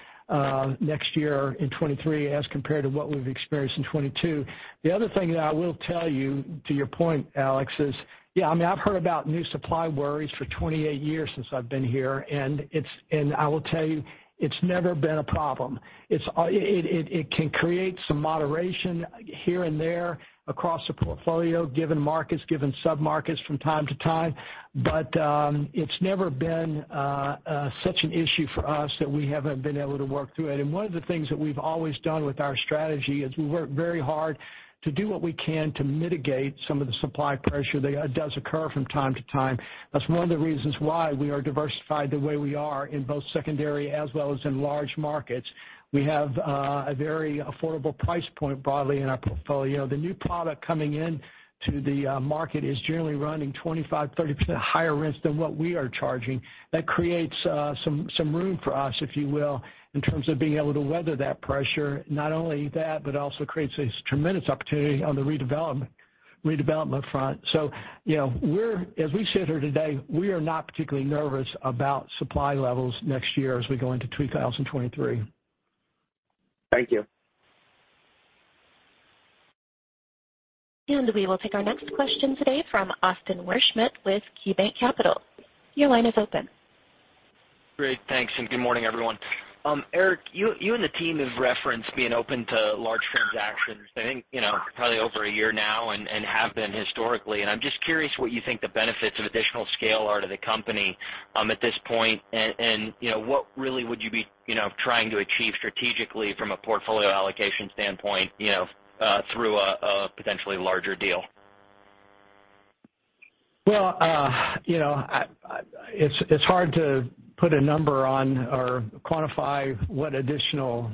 next year in 2023 as compared to what we've experienced in 2022. The other thing that I will tell you, to your point, Alex, is, yeah, I mean, I've heard about new supply worries for 28 years since I've been here, and I will tell you, it's never been a problem. It can create some moderation here and there across the portfolio, given markets, given submarkets from time to time, but it's never been such an issue for us that we haven't been able to work through it. One of the things that we've always done with our strategy is we work very hard to do what we can to mitigate some of the supply pressure that does occur from time to time. That's one of the reasons why we are diversified the way we are in both secondary as well as in large markets. We have a very affordable price point broadly in our portfolio. The new product coming into the market is generally running 25, 30% higher rents than what we are charging. That creates some room for us, if you will, in terms of being able to weather that pressure. Not only that, but also creates this tremendous opportunity on the redevelopment front. You know, as we sit here today, we are not particularly nervous about supply levels next year as we go into 2023. Thank you. We will take our next question today from Austin Wurschmidt with KeyBanc Capital. Your line is open. Great. Thanks, and good morning, everyone. Eric, you and the team have referenced being open to large transactions, I think, you know, probably over a year now and have been historically. I'm just curious what you think the benefits of additional scale are to the company, at this point, and you know, what really would you be trying to achieve strategically from a portfolio allocation standpoint, you know, through a potentially larger deal? Well, you know, it's hard to put a number on or quantify what additional,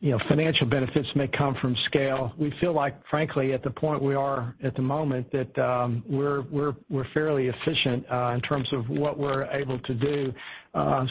you know, financial benefits may come from scale. We feel like, frankly, at the point we are at the moment, that we're fairly efficient in terms of what we're able to do.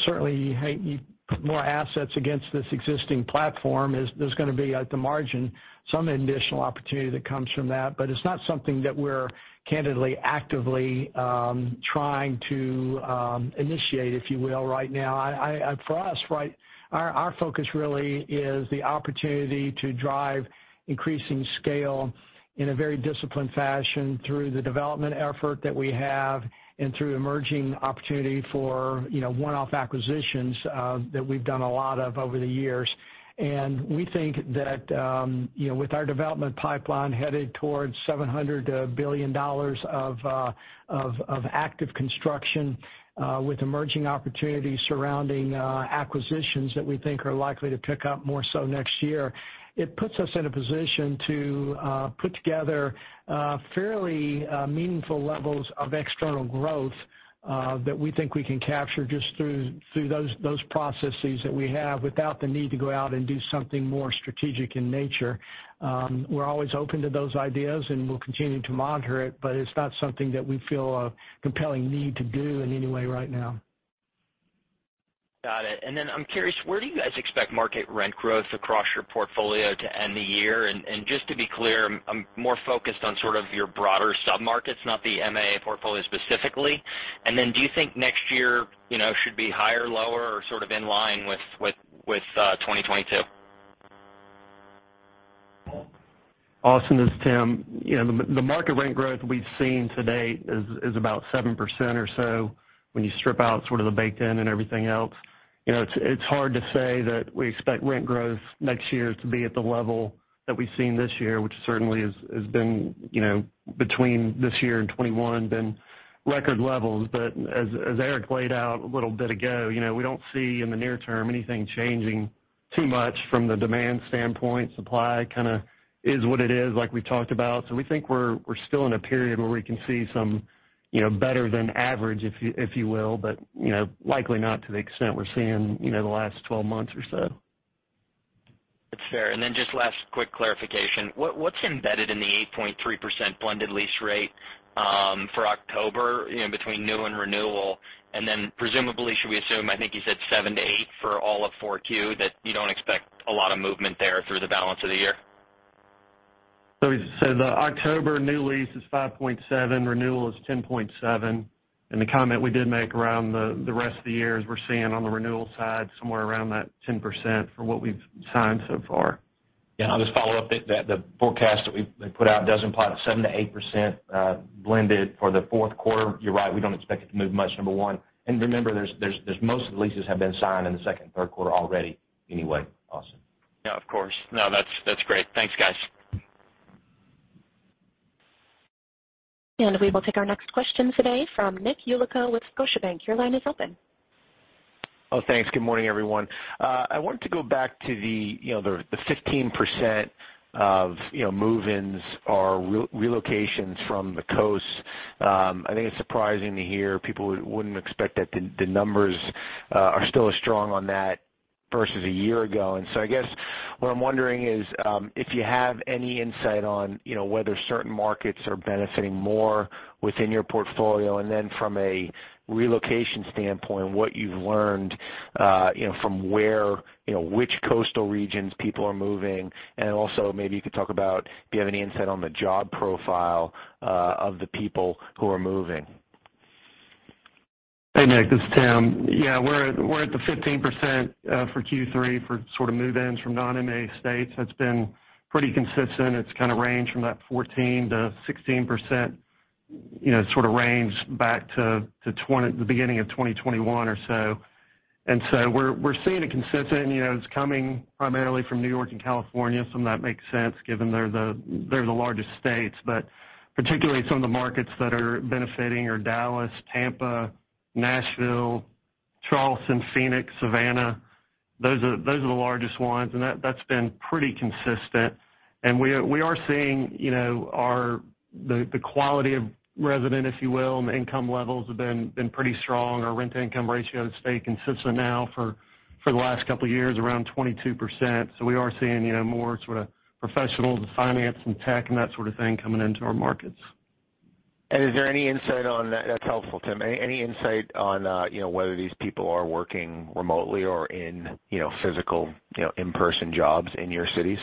Certainly you put more assets against this existing platform, there's gonna be, at the margin, some additional opportunity that comes from that, but it's not something that we're candidly, actively trying to initiate, if you will, right now. For us, right, our focus really is the opportunity to drive increasing scale in a very disciplined fashion through the development effort that we have and through emerging opportunity for, you know, one-off acquisitions that we've done a lot of over the years. We think that, you know, with our development pipeline headed towards $700 billion of active construction, with emerging opportunities surrounding acquisitions that we think are likely to pick up more so next year, it puts us in a position to put together fairly meaningful levels of external growth that we think we can capture just through those processes that we have without the need to go out and do something more strategic in nature. We're always open to those ideas, and we'll continue to monitor it, but it's not something that we feel a compelling need to do in any way right now. Got it. I'm curious, where do you guys expect market rent growth across your portfolio to end the year? Just to be clear, I'm more focused on sort of your broader sub-markets, not the MAA portfolio specifically. Do you think next year, you know, should be higher, lower or sort of in line with 2022? Austin, this is Tim. You know, the market rent growth we've seen to date is about 7% or so when you strip out sort of the baked in and everything else. You know, it's hard to say that we expect rent growth next year to be at the level that we've seen this year, which certainly has been, you know, between this year and 2021 been record levels. As Eric laid out a little bit ago, you know, we don't see in the near term anything changing too much from the demand standpoint. Supply kinda is what it is, like we talked about. We think we're still in a period where we can see some, you know, better than average, if you will, but, you know, likely not to the extent we're seeing, you know, the last 12 months or so. That's fair. Then just last quick clarification. What's embedded in the 8.3% blended lease rate for October, you know, between new and renewal? Then presumably, should we assume, I think you said 7%-8% for all of 4Q, that you don't expect a lot of movement there through the balance of the year? The October new lease is 5.7%, renewal is 10.7%. The comment we did make around the rest of the year is we're seeing on the renewal side somewhere around that 10% from what we've signed so far. Yeah. I'll just follow up that the forecast that we've put out does imply that 7%-8% blended for the fourth quarter. You're right, we don't expect it to move much, number one. Remember, there's most of the leases have been signed in the second and third quarter already anyway, Austin. Yeah. Of course. No, that's great. Thanks, guys. We will take our next question today from Nicholas Yulico with Scotiabank. Your line is open. Oh, thanks. Good morning, everyone. I wanted to go back to the 15% of move-ins or relocations from the coast. I think it's surprising to hear people wouldn't expect that the numbers are still as strong on that versus a year ago. I guess what I'm wondering is, if you have any insight on whether certain markets are benefiting more within your portfolio, and then from a relocation standpoint, what you've learned from which coastal regions people are moving. Also, maybe you could talk about if you have any insight on the job profile of the people who are moving. Hey, Nick. This is Tim. Yeah, we're at the 15% for Q3 for sort of move-ins from non-MAA states. That's been pretty consistent. It's kinda ranged from that 14%-16%, you know, sort of range back to the beginning of 2021 or so. We're seeing it consistent. You know, it's coming primarily from New York and California. Some of that makes sense given they're the largest states, but particularly some of the markets that are benefiting are Dallas, Tampa, Nashville, Charleston, Phoenix, Savannah. Those are the largest ones, and that's been pretty consistent. We are seeing, you know, overall, the quality of resident, if you will, and the income levels have been pretty strong. Our rent-to-income ratio has stayed consistent now for the last couple of years, around 22%. We are seeing, you know, more sort of professionals in finance and tech and that sort of thing coming into our markets. That's helpful, Tim. Any insight on, you know, whether these people are working remotely or in, you know, physical, you know, in-person jobs in your cities?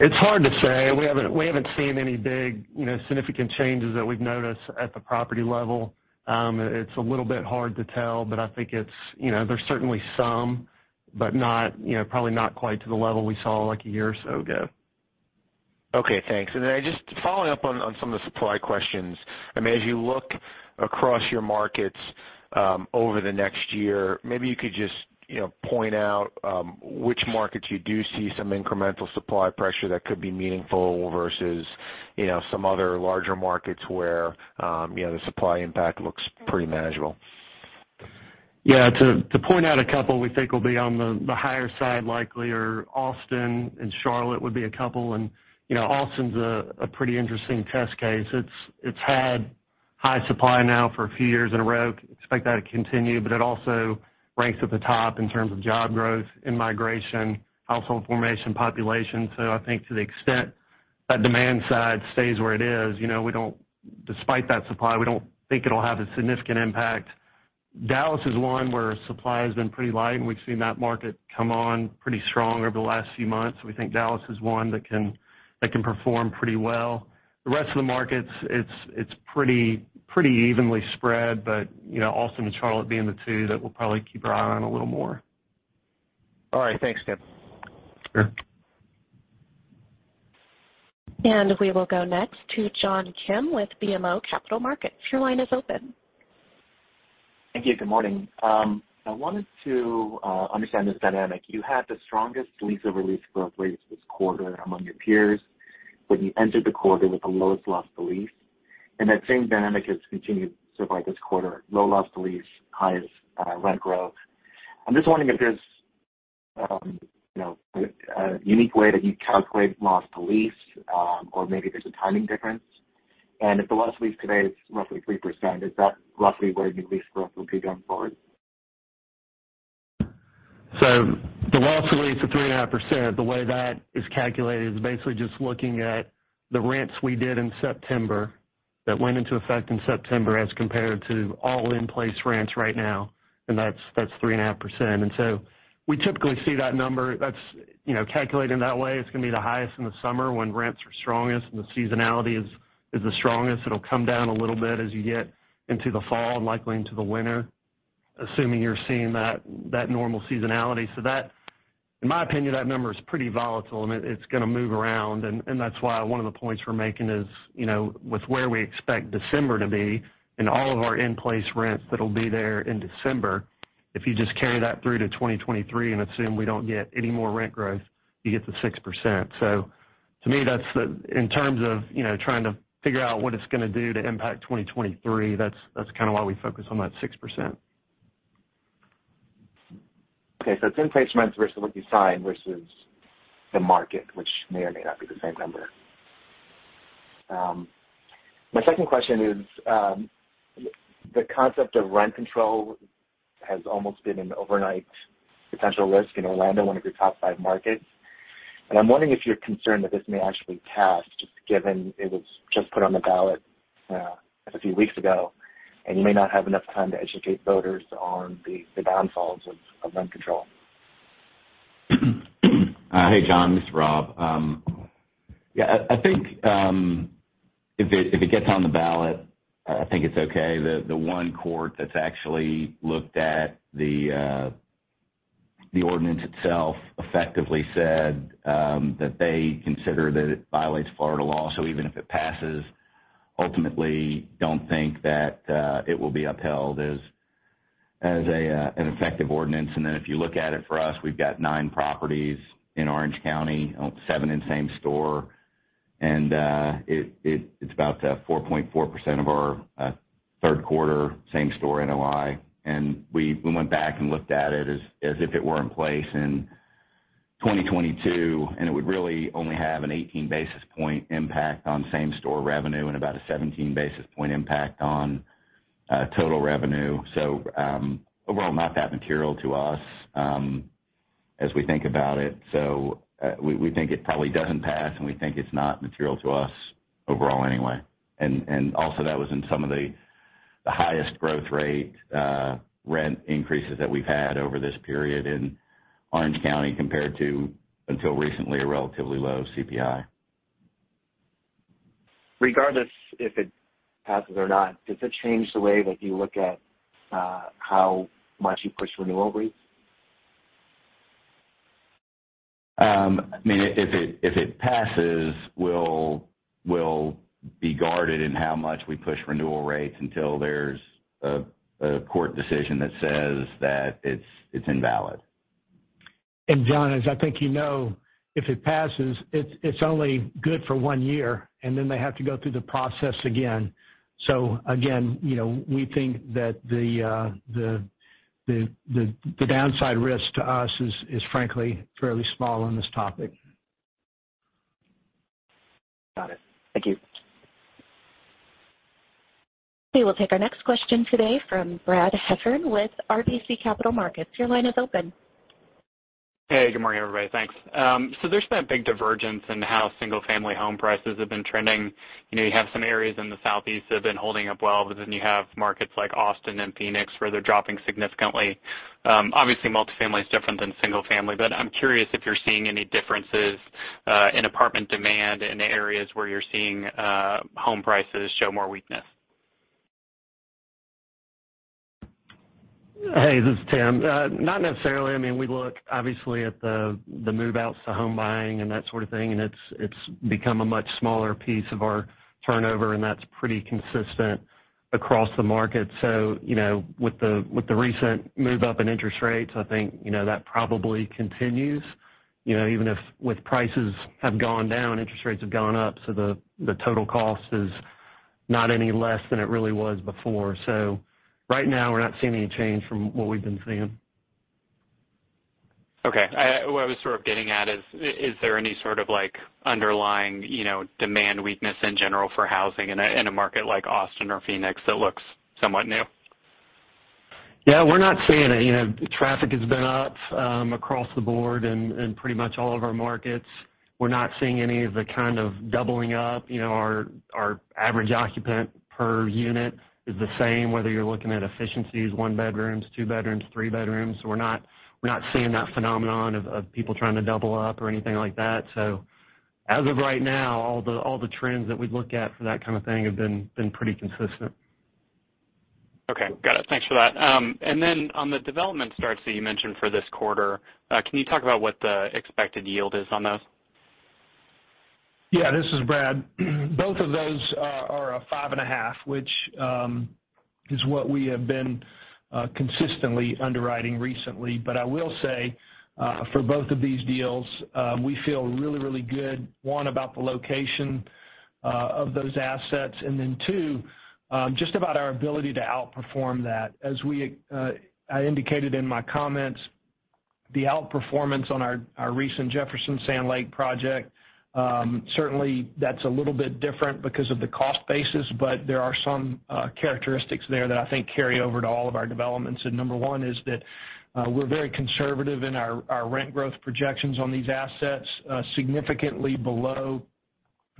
It's hard to say. We haven't seen any big, you know, significant changes that we've noticed at the property level. It's a little bit hard to tell, but I think it's, you know, there's certainly some, but not, you know, probably not quite to the level we saw, like, a year or so ago. Okay, thanks. Just following up on some of the supply questions. I mean, as you look across your markets over the next year, maybe you could just you know point out which markets you do see some incremental supply pressure that could be meaningful versus you know some other larger markets where you know the supply impact looks pretty manageable? Yeah. To point out a couple we think will be on the higher side likely are Austin and Charlotte, would be a couple. You know, Austin's a pretty interesting test case. It's had high supply now for a few years in a row. Expect that to continue, but it also ranks at the top in terms of job growth, in migration, household formation, population. So I think to the extent that demand side stays where it is, you know, despite that supply, we don't think it'll have a significant impact. Dallas is one where supply has been pretty light, and we've seen that market come on pretty strong over the last few months. We think Dallas is one that can perform pretty well. The rest of the markets, it's pretty evenly spread. You know, Austin and Charlotte being the two that we'll probably keep our eye on a little more. All right. Thanks, Tim. Sure. We will go next to John Kim with BMO Capital Markets. Your line is open. Thank you. Good morning. I wanted to understand this dynamic. You had the strongest lease-over-lease growth rate this quarter among your peers, but you entered the quarter with the lowest loss to lease. That same dynamic has continued so far this quarter, low loss to lease, highest rent growth. I'm just wondering if there's you know, a unique way that you calculate loss to lease, or maybe there's a timing difference. If the loss to lease today is roughly 3%, is that roughly where your lease growth will be going forward? The loss to lease of 3.5%, the way that is calculated is basically just looking at the rents we did in September that went into effect in September as compared to all in-place rents right now. That's 3.5%. We typically see that number that's, you know, calculated that way. It's gonna be the highest in the summer when rents are strongest and the seasonality is the strongest. It'll come down a little bit as you get into the fall and likely into the winter, assuming you're seeing that normal seasonality. In my opinion, that number is pretty volatile, and it's gonna move around. that's why one of the points we're making is, you know, with where we expect December to be and all of our in-place rents that'll be there in December, if you just carry that through to 2023 and assume we don't get any more rent growth, you get the 6%. To me, that's the. In terms of, you know, trying to figure out what it's gonna do to impact 2023, that's kind of why we focus on that 6%. Okay. So it's in-place rents versus what you sign versus the market, which may or may not be the same number. My second question is, the concept of rent control has almost been an overnight potential risk in Orlando, one of your top five markets. I'm wondering if you're concerned that this may actually pass, just given it was just put on the ballot, a few weeks ago, and you may not have enough time to educate voters on the downfalls of rent control. Hi, John, this is Rob. Yeah, I think if it gets on the ballot, I think it's okay. The one court that's actually looked at the ordinance itself effectively said that they consider that it violates Florida law. Even if it passes, ultimately don't think that it will be upheld as an effective ordinance. If you look at it for us, we've got 9 properties in Orange County, 7 in same-store. It's about 4.4% of our third quarter same-store NOI. We went back and looked at it as if it were in place in 2022, and it would really only have an 18 basis point impact on same-store revenue and about a 17 basis point impact on total revenue. Overall, not that material to us as we think about it. We think it probably doesn't pass, and we think it's not material to us overall anyway. Also that was in some of the highest growth rate rent increases that we've had over this period in Orange County compared to, until recently, a relatively low CPI. Regardless if it passes or not, does it change the way that you look at how much you push renewal rates? I mean, if it passes, we'll be guarded in how much we push renewal rates until there's a court decision that says that it's invalid. John, as I think you know, if it passes, it's only good for one year, and then they have to go through the process again. Again, you know, we think that the downside risk to us is frankly fairly small on this topic. Got it. Thank you. We will take our next question today from Brad Heffern with RBC Capital Markets. Your line is open. Hey, good morning, everybody. Thanks. There's been a big divergence in how single family home prices have been trending. You know, you have some areas in the Southeast that have been holding up well, but then you have markets like Austin and Phoenix where they're dropping significantly. Obviously, multifamily is different than single family, but I'm curious if you're seeing any differences in apartment demand in the areas where you're seeing home prices show more weakness. Hey, this is Tim. Not necessarily. I mean, we look obviously at the move outs to home buying and that sort of thing, and it's become a much smaller piece of our turnover, and that's pretty consistent across the market. You know, with the recent move up in interest rates, I think, you know, that probably continues. You know, even if prices have gone down, interest rates have gone up, so the total cost is not any less than it really was before. Right now, we're not seeing any change from what we've been seeing. What I was sort of getting at is there any sort of like underlying, you know, demand weakness in general for housing in a market like Austin or Phoenix that looks somewhat new? Yeah, we're not seeing it. You know, traffic has been up across the board in pretty much all of our markets. We're not seeing any of the kind of doubling up. You know, our average occupant per unit is the same, whether you're looking at efficiencies, one bedrooms, two bedrooms, three bedrooms. We're not seeing that phenomenon of people trying to double up or anything like that. As of right now, all the trends that we look at for that kind of thing have been pretty consistent. Okay. Got it. Thanks for that. On the development starts that you mentioned for this quarter, can you talk about what the expected yield is on those? Yeah, this is Brad. Both of those are a 5.5, which is what we have been consistently underwriting recently. I will say for both of these deals, we feel really good, one, about the location of those assets, and then two, just about our ability to outperform that. As I indicated in my comments, the outperformance on our recent MAA Sand Lake project, certainly that's a little bit different because of the cost basis, but there are some characteristics there that I think carry over to all of our developments. Number one is that we're very conservative in our rent growth projections on these assets, significantly below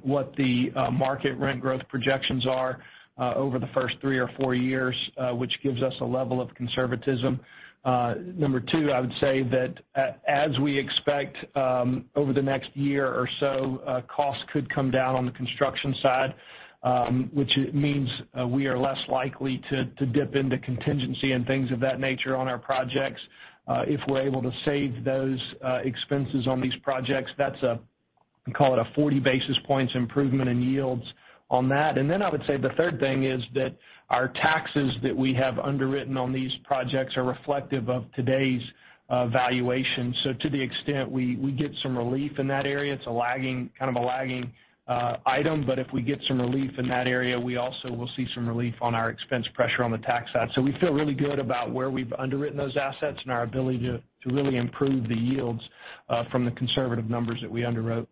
what the market rent growth projections are over the first three or four years, which gives us a level of conservatism. Number two, I would say that as we expect over the next year or so, costs could come down on the construction side, which means we are less likely to dip into contingency and things of that nature on our projects. If we're able to save those expenses on these projects, that's a call it a 40 basis points improvement in yields on that. I would say the third thing is that our taxes that we have underwritten on these projects are reflective of today's valuation. To the extent we get some relief in that area, it's a lagging, kind of a lagging item. If we get some relief in that area, we also will see some relief on our expense pressure on the tax side. We feel really good about where we've underwritten those assets and our ability to really improve the yields from the conservative numbers that we underwrote.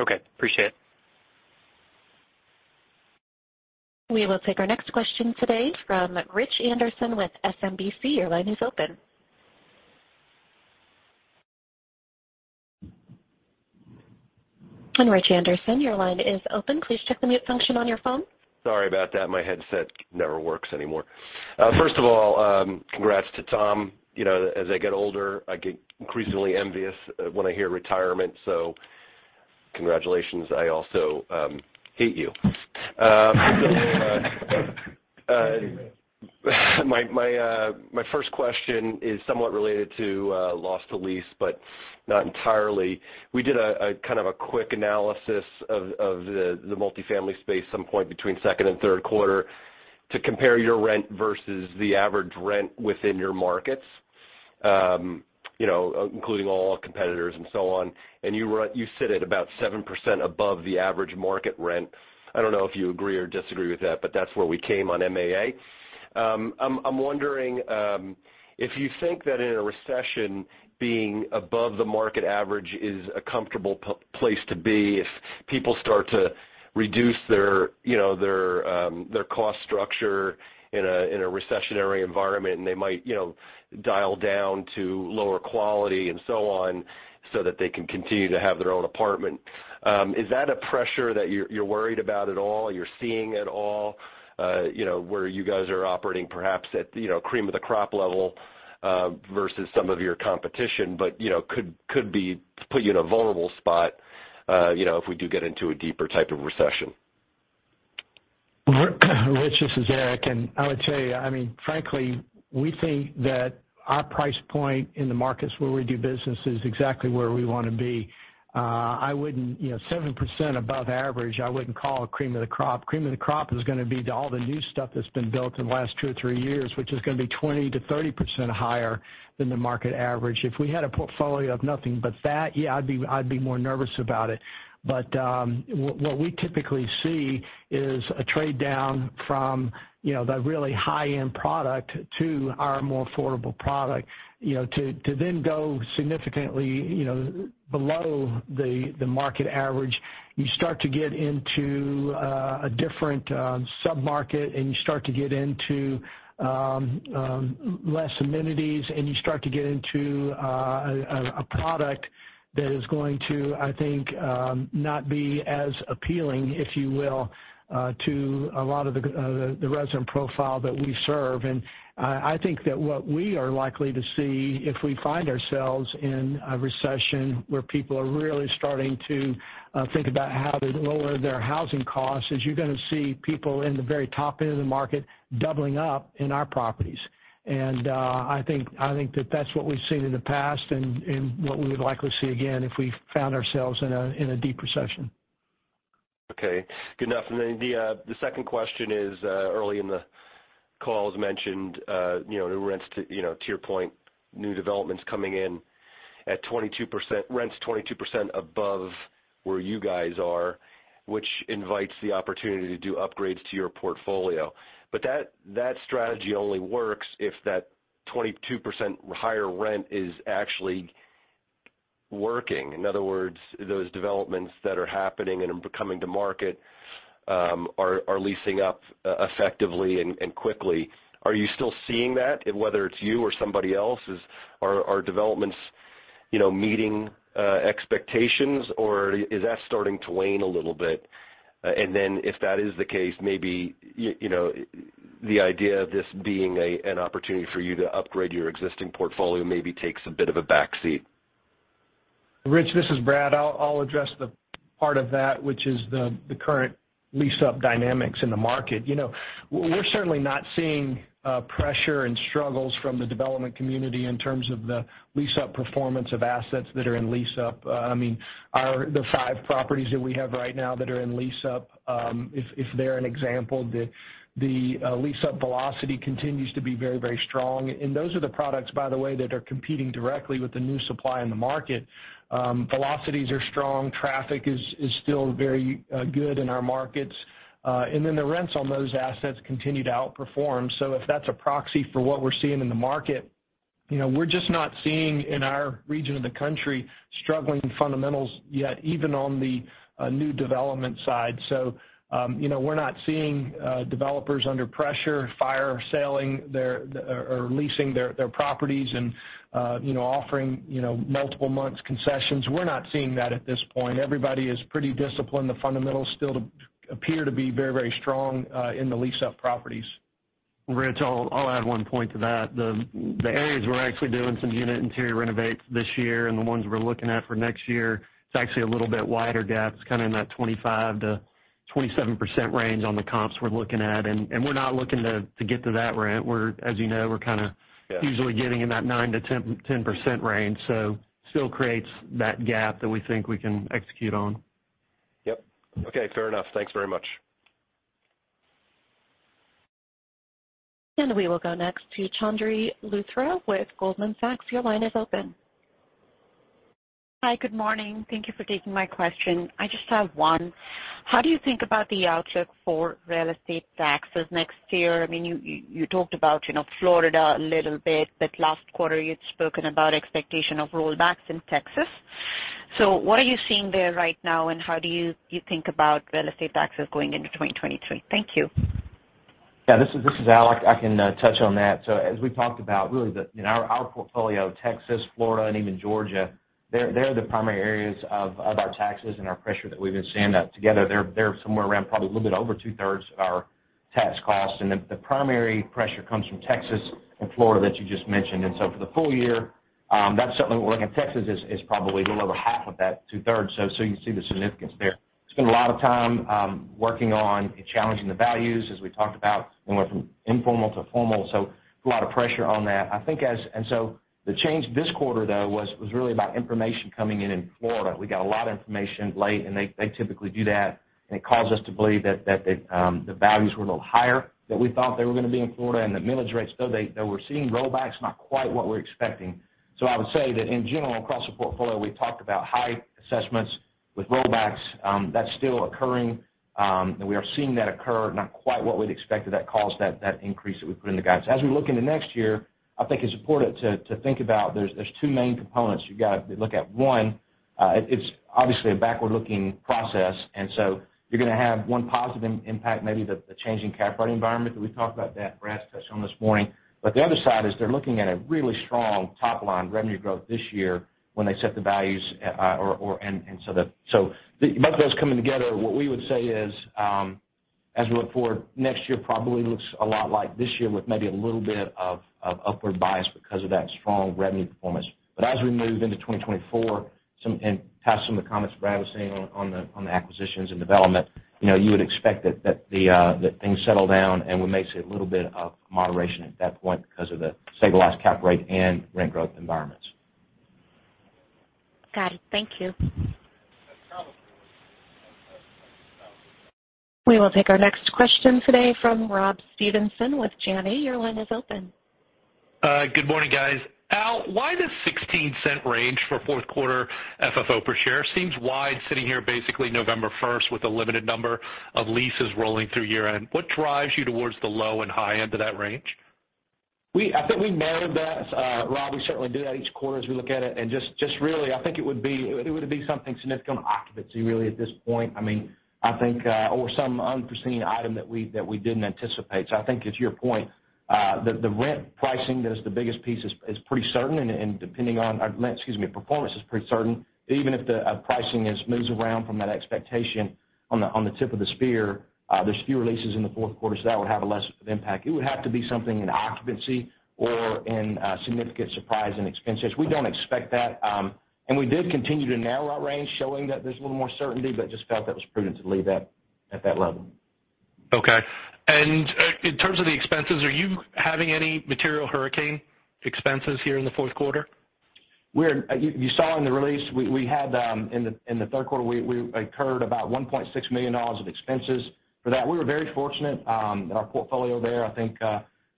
Okay. Appreciate it. We will take our next question today from Rich Anderson with SMBC. Your line is open. Rich Anderson, your line is open. Please check the mute function on your phone. Sorry about that. My headset never works anymore. First of all, congrats to Tom. You know, as I get older, I get increasingly envious when I hear retirement. Congratulations. I also hate you. My first question is somewhat related to loss to lease, but not entirely. We did a kind of a quick analysis of the multifamily space at some point between second and third quarter to compare your rent versus the average rent within your markets, you know, including all competitors and so on, and you sit at about 7% above the average market rent. I don't know if you agree or disagree with that, but that's where we came on MAA. I'm wondering if you think that in a recession, being above the market average is a comfortable place to be if people start to reduce their, you know, their cost structure in a recessionary environment, and they might, you know, dial down to lower quality and so on so that they can continue to have their own apartment. Is that a pressure that you're worried about at all, you're seeing at all, you know, where you guys are operating perhaps at, you know, cream of the crop level versus some of your competition, but you know could put you in a vulnerable spot, you know, if we do get into a deeper type of recession. Rich, this is Eric, and I would say, I mean, frankly, we think that our price point in the markets where we do business is exactly where we wanna be. I wouldn't, you know, 7% above average, I wouldn't call it cream of the crop. Cream of the crop is gonna be all the new stuff that's been built in the last two or three years, which is gonna be 20%-30% higher than the market average. If we had a portfolio of nothing but that, yeah, I'd be more nervous about it. What we typically see is a trade down from, you know, the really high-end product to our more affordable product. You know, to then go significantly below the market average, you start to get into a different submarket, and you start to get into less amenities, and you start to get into a product that is going to, I think, not be as appealing, if you will, to a lot of the resident profile that we serve. I think that what we are likely to see if we find ourselves in a recession where people are really starting to think about how to lower their housing costs, is you're gonna see people in the very top end of the market doubling up in our properties. I think that that's what we've seen in the past and what we would likely see again if we found ourselves in a deep recession. Okay. Good enough. The second question is, early in the call it was mentioned, you know, new rents to, you know, to your point, new developments coming in at 22%, rents 22% above where you guys are, which invites the opportunity to do upgrades to your portfolio. That strategy only works if that 22% higher rent is actually working. In other words, those developments that are happening and are coming to market, are leasing up effectively and quickly. Are you still seeing that? Whether it's you or somebody else, are developments, you know, meeting expectations, or is that starting to wane a little bit? If that is the case, maybe, you know, the idea of this being an opportunity for you to upgrade your existing portfolio maybe takes a bit of a back seat. Rich, this is Brad. I'll address the part of that which is the current lease-up dynamics in the market. You know, we're certainly not seeing pressure and struggles from the development community in terms of the lease-up performance of assets that are in lease-up. I mean, our five properties that we have right now that are in lease-up, if they're an example, the lease-up velocity continues to be very strong. Those are the products, by the way, that are competing directly with the new supply in the market. Velocities are strong, traffic is still very good in our markets. And then the rents on those assets continue to outperform. If that's a proxy for what we're seeing in the market, you know, we're just not seeing in our region of the country struggling fundamentals yet, even on the new development side. You know, we're not seeing developers under pressure, fire selling their or leasing their properties and you know, offering you know, multiple months concessions. We're not seeing that at this point. Everybody is pretty disciplined. The fundamentals still appear to be very, very strong in the lease-up properties. Rich, I'll add one point to that. The areas we're actually doing some unit interior renovations this year and the ones we're looking at for next year, it's actually a little bit wider gaps, kind of in that 25%-27% range on the comps we're looking at. We're not looking to get to that rent. As you know, we're kind of Yeah. Usually getting in that 9-10% range. Still creates that gap that we think we can execute on. Yep. Okay. Fair enough. Thanks very much. We will go next to Chandni Luthra with Goldman Sachs. Your line is open. Hi, good morning. Thank you for taking my question. I just have one. How do you think about the outlook for real estate taxes next year? I mean, you talked about, you know, Florida a little bit, but last quarter you'd spoken about expectation of rollbacks in Texas. What are you seeing there right now, and how do you think about real estate taxes going into 2023? Thank you. Yeah, this is Albert. I can touch on that. As we talked about, really in our portfolio, Texas, Florida, and even Georgia, they're the primary areas of our taxes and our pressure that we've been seeing. Together, they're somewhere around probably a little bit over two-thirds of our tax costs. The primary pressure comes from Texas and Florida that you just mentioned. For the full year, that's something we're looking at. Texas is probably a little over half of that two-thirds, so you can see the significance there. Spend a lot of time working on challenging the values, as we talked about, went from informal to formal, so a lot of pressure on that. I think the change this quarter, though, was really about information coming in Florida. We got a lot of information late, and they typically do that, and it caused us to believe that the values were a little higher than we thought they were gonna be in Florida. The millage rates, though we're seeing rollbacks, not quite what we're expecting. I would say that in general, across the portfolio, we've talked about high assessments with rollbacks, that's still occurring, and we are seeing that occur, not quite what we'd expected. That caused that increase that we put in the guidance. As we look into next year, I think it's important to think about there's two main components you gotta look at. One, it's obviously a backward-looking process, and so you're gonna have one positive impact, maybe the change in cap rate environment that we talked about, that Brad touched on this morning. But the other side is they're looking at a really strong top-line revenue growth this year when they set the values, both of those coming together, what we would say is, as we look forward, next year probably looks a lot like this year with maybe a little bit of upward bias because of that strong revenue performance. As we move into 2024, and tie some of the comments Brad was saying on the acquisitions and development, you know, you would expect that the things settle down and we may see a little bit of moderation at that point because of the stabilized cap rate and rent growth environments. Got it. Thank you. We will take our next question today from Rob Stevenson with Janney. Your line is open. Good morning, guys. Albert, why the $0.16 range for fourth quarter FFO per share? Seems wide sitting here basically November first with a limited number of leases rolling through year-end. What drives you towards the low and high end of that range? I think we narrowed that, Rob. We certainly do that each quarter as we look at it. Just really, I think it would be something significant on occupancy really at this point. I mean, I think or some unforeseen item that we didn't anticipate. I think it's your point, the rent pricing that is the biggest piece is pretty certain and performance is pretty certain. Even if the pricing moves around from that expectation on the tip of the spear, there's fewer leases in the fourth quarter, so that would have a lesser impact. It would have to be something in occupancy or in significant surprise and expenses. We don't expect that. We did continue to narrow our range, showing that there's a little more certainty, but just felt that was prudent to leave that at that level. Okay. In terms of the expenses, are you having any material hurricane expenses here in the fourth quarter? You saw in the release, we had in the third quarter, we incurred about $1.6 million of expenses for that. We were very fortunate in our portfolio there, I think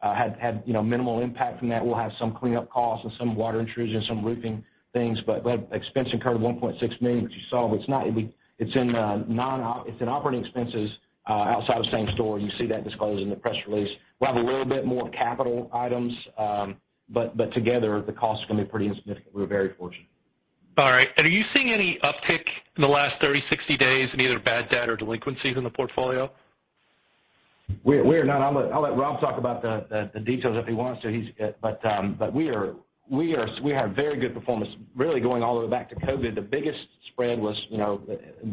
had you know minimal impact from that. We'll have some cleanup costs and some water intrusion, some roofing things, but expense incurred of $1.6 million, which you saw. It's in operating expenses outside of same-store. You see that disclosed in the press release. We'll have a little bit more capital items, but together, the cost is gonna be pretty insignificant. We're very fortunate. All right. Are you seeing any uptick in the last 30, 60 days in either bad debt or delinquencies in the portfolio? We're not. I'll let Rob talk about the details if he wants to. He's but we are. We have very good performance really going all the way back to COVID. The biggest spread was, you know,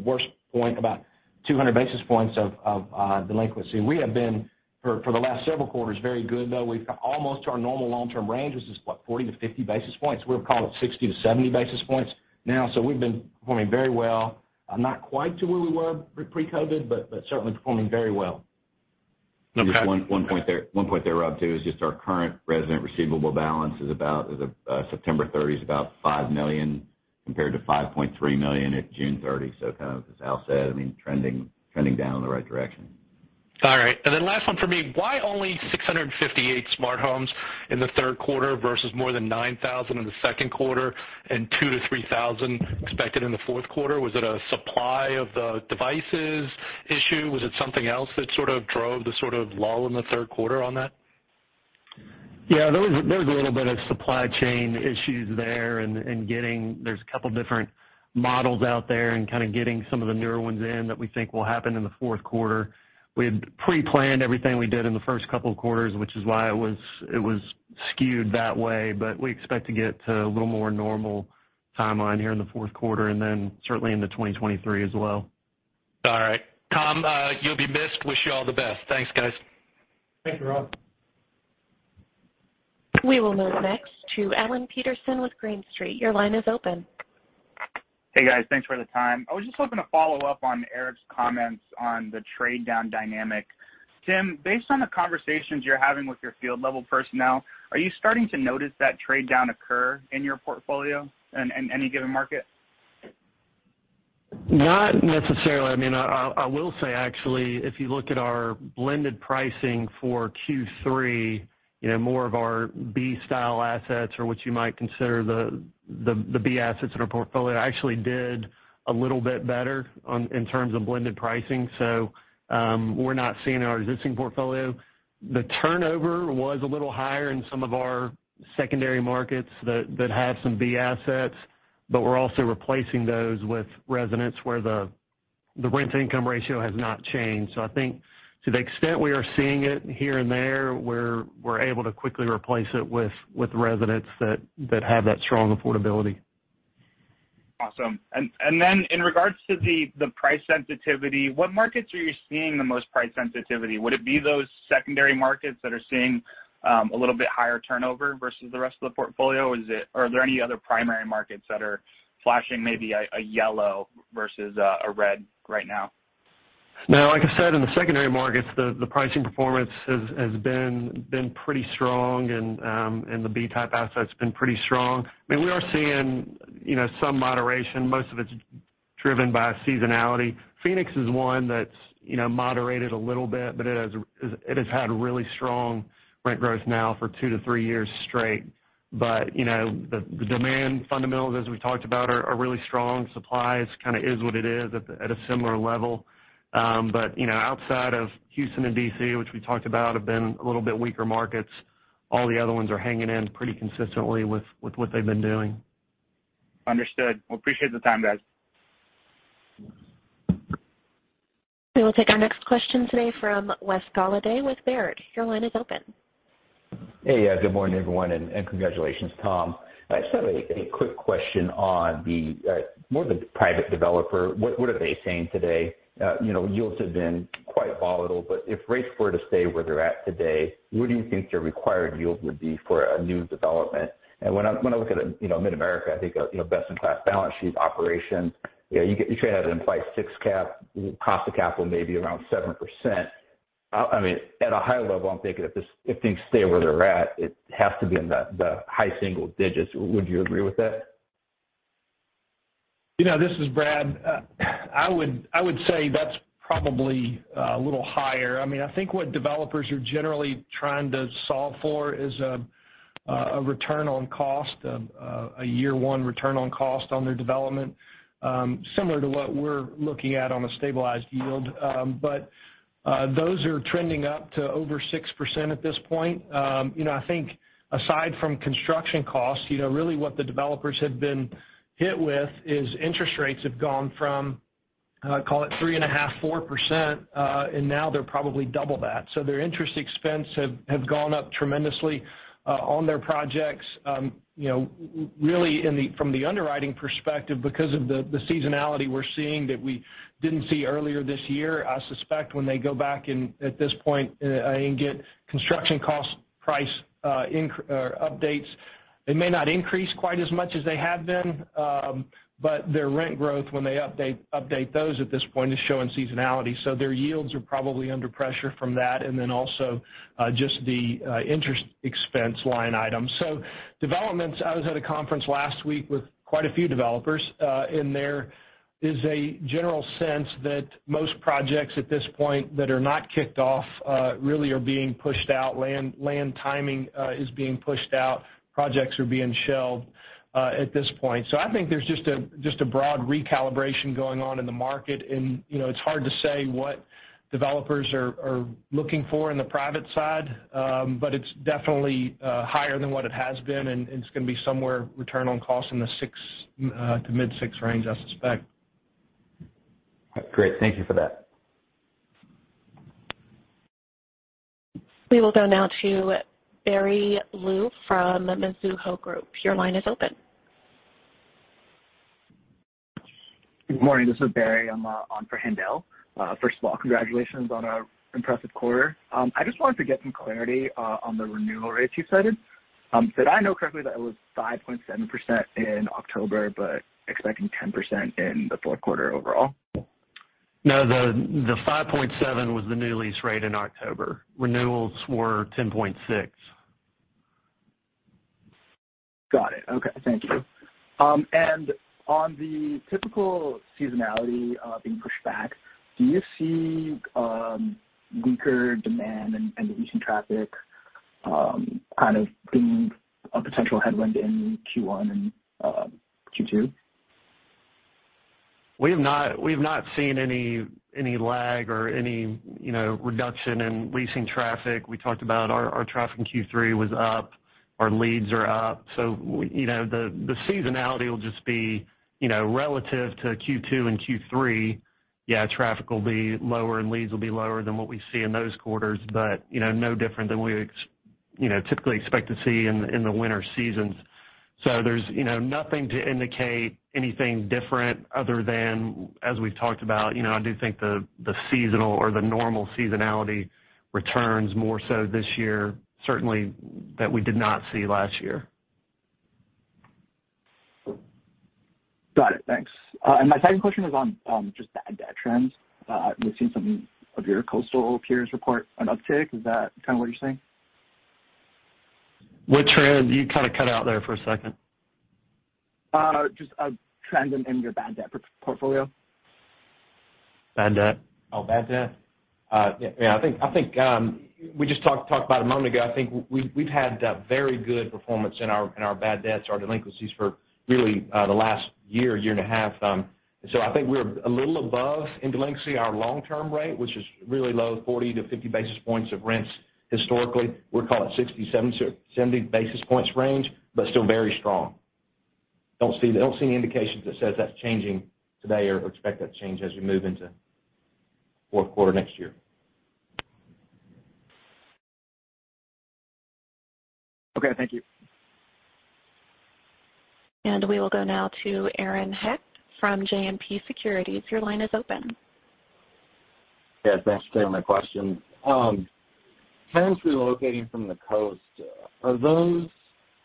worst point about 200 basis points of delinquency. We have been for the last several quarters very good, though. We've got almost to our normal long-term range, which is, what, 40-50 basis points. We'll call it 60-70 basis points now. We've been performing very well. Not quite to where we were pre-COVID, but certainly performing very well. Okay. Just one point there, Rob, too, is just our current resident receivable balance is about, as of September 30, is about $5 million compared to $5.3 million at June 30. Kind of, as Al said, I mean, trending down in the right direction. All right. Last one for me. Why only 658 smart homes in the third quarter versus more than 9,000 in the second quarter and 2,000-3,000 expected in the fourth quarter? Was it a supply of the devices issue? Was it something else that sort of drove the sort of lull in the third quarter on that? Yeah, there was a little bit of supply chain issues there. There's a couple different models out there and kind of getting some of the newer ones in that we think will happen in the fourth quarter. We had preplanned everything we did in the first couple of quarters, which is why it was skewed that way. We expect to get to a little more normal timeline here in the fourth quarter, and then certainly into 2023 as well. All right. Tom, you'll be missed. Wish you all the best. Thanks, guys. Thank you, Rob. We will move next to Adam Peterson with Green Street. Your line is open. Hey, guys. Thanks for the time. I was just looking to follow up on Eric's comments on the trade down dynamic. Tim, based on the conversations you're having with your field level personnel, are you starting to notice that trade down occur in your portfolio in any given market? Not necessarily. I mean, I will say actually, if you look at our blended pricing for Q3, you know, more of our B style assets or what you might consider the B assets in our portfolio actually did a little bit better in terms of blended pricing. We're not seeing our existing portfolio. The turnover was a little higher in some of our secondary markets that have some B assets, but we're also replacing those with residents where the rent-to-income ratio has not changed. I think to the extent we are seeing it here and there, we're able to quickly replace it with residents that have that strong affordability. Awesome. In regards to the price sensitivity, what markets are you seeing the most price sensitivity? Would it be those secondary markets that are seeing a little bit higher turnover versus the rest of the portfolio? Are there any other primary markets that are flashing maybe a yellow versus a red right now? No, like I said, in the secondary markets, the pricing performance has been pretty strong and the B type assets been pretty strong. I mean, we are seeing, you know, some moderation. Most of it's driven by seasonality. Phoenix is one that's, you know, moderated a little bit, but it has had really strong rent growth now for 2-3 years straight. You know, the demand fundamentals, as we talked about, are really strong. Supply is kind of what it is at a similar level. You know, outside of Houston and D.C., which we talked about, have been a little bit weaker markets. All the other ones are hanging in pretty consistently with what they've been doing. Understood. Well, appreciate the time, guys. We will take our next question today from Wes Golladay with Baird. Your line is open. Hey. Yeah, good morning, everyone, and congratulations, Tom. I just have a quick question on the private developer. What are they saying today? You know, yields have been quite volatile, but if rates were to stay where they're at today, what do you think their required yield would be for a new development? When I look at, you know, Mid-America, I think, you know, best in class balance sheet operations, you know, you try to imply 6 cap, cost of capital maybe around 7%. I mean, at a high level, I'm thinking if this—if things stay where they're at, it has to be in the high single digits. Would you agree with that? You know, this is Brad. I would say that's probably a little higher. I mean, I think what developers are generally trying to solve for is a return on cost, a year one return on cost on their development, similar to what we're looking at on a stabilized yield. You know, I think aside from construction costs, you know, really what the developers have been hit with is interest rates have gone from call it 3.5-4%, and now they're probably double that. So their interest expense have gone up tremendously on their projects. You know, really from the underwriting perspective because of the seasonality we're seeing that we didn't see earlier this year, I suspect when they go back and at this point and get construction cost price or updates, it may not increase quite as much as they have been, but their rent growth when they update those at this point is showing seasonality. Their yields are probably under pressure from that. Then also just the interest expense line item. Developments, I was at a conference last week with quite a few developers, and there is a general sense that most projects at this point that are not kicked off really are being pushed out. Land timing is being pushed out. Projects are being shelved at this point. I think there's just a broad recalibration going on in the market. You know, it's hard to say what developers are looking for in the private side. It's definitely higher than what it has been, and it's gonna be somewhere return on cost in the 6 to mid-6 range, I suspect. Great. Thank you for that. We will go now to Barry Liu from Mizuho Group. Your line is open. Good morning. This is Barry. I'm on for Haendel St. Juste. First of all, congratulations on an impressive quarter. I just wanted to get some clarity on the renewal rates you cited. Did I hear correctly that it was 5.7% in October, but expecting 10% in the fourth quarter overall? No, the 5.7% was the new lease rate in October. Renewals were 10.6%. Got it. Okay. Thank you. On the typical seasonality being pushed back, do you see weaker demand and leasing traffic kind of being a potential headwind in Q1 and Q2? We have not seen any lag or any, you know, reduction in leasing traffic. We talked about our traffic in Q3 was up, our leads are up. You know, the seasonality will just be, you know, relative to Q2 and Q3. Yeah, traffic will be lower and leads will be lower than what we see in those quarters, but, you know, no different than we typically expect to see in the winter seasons. There's, you know, nothing to indicate anything different other than, as we've talked about. You know, I do think the seasonal or the normal seasonality returns more so this year, certainly that we did not see last year. Got it. Thanks. My second question is on just the bad debt trends. We've seen some of your coastal peers report an uptick. Is that kind of what you're seeing? Which trend? You kind of cut out there for a second. Just a trend in your bad debt portfolio. Bad debt? Oh, bad debt. Yeah, I think we just talked about a moment ago. I think we've had very good performance in our bad debts, our delinquencies for really the last year and a half. I think we're a little above our long-term rate in delinquency, which is really low, 40-50 basis points of rents historically. We're calling it 60-70 basis points range, but still very strong. Don't see any indications that says that's changing today or expect that to change as we move into fourth quarter next year. Okay. Thank you. We will go now to Aaron Hecht from JMP Securities. Your line is open. Yes. Thanks for taking my question. Tenants relocating from the coast, are those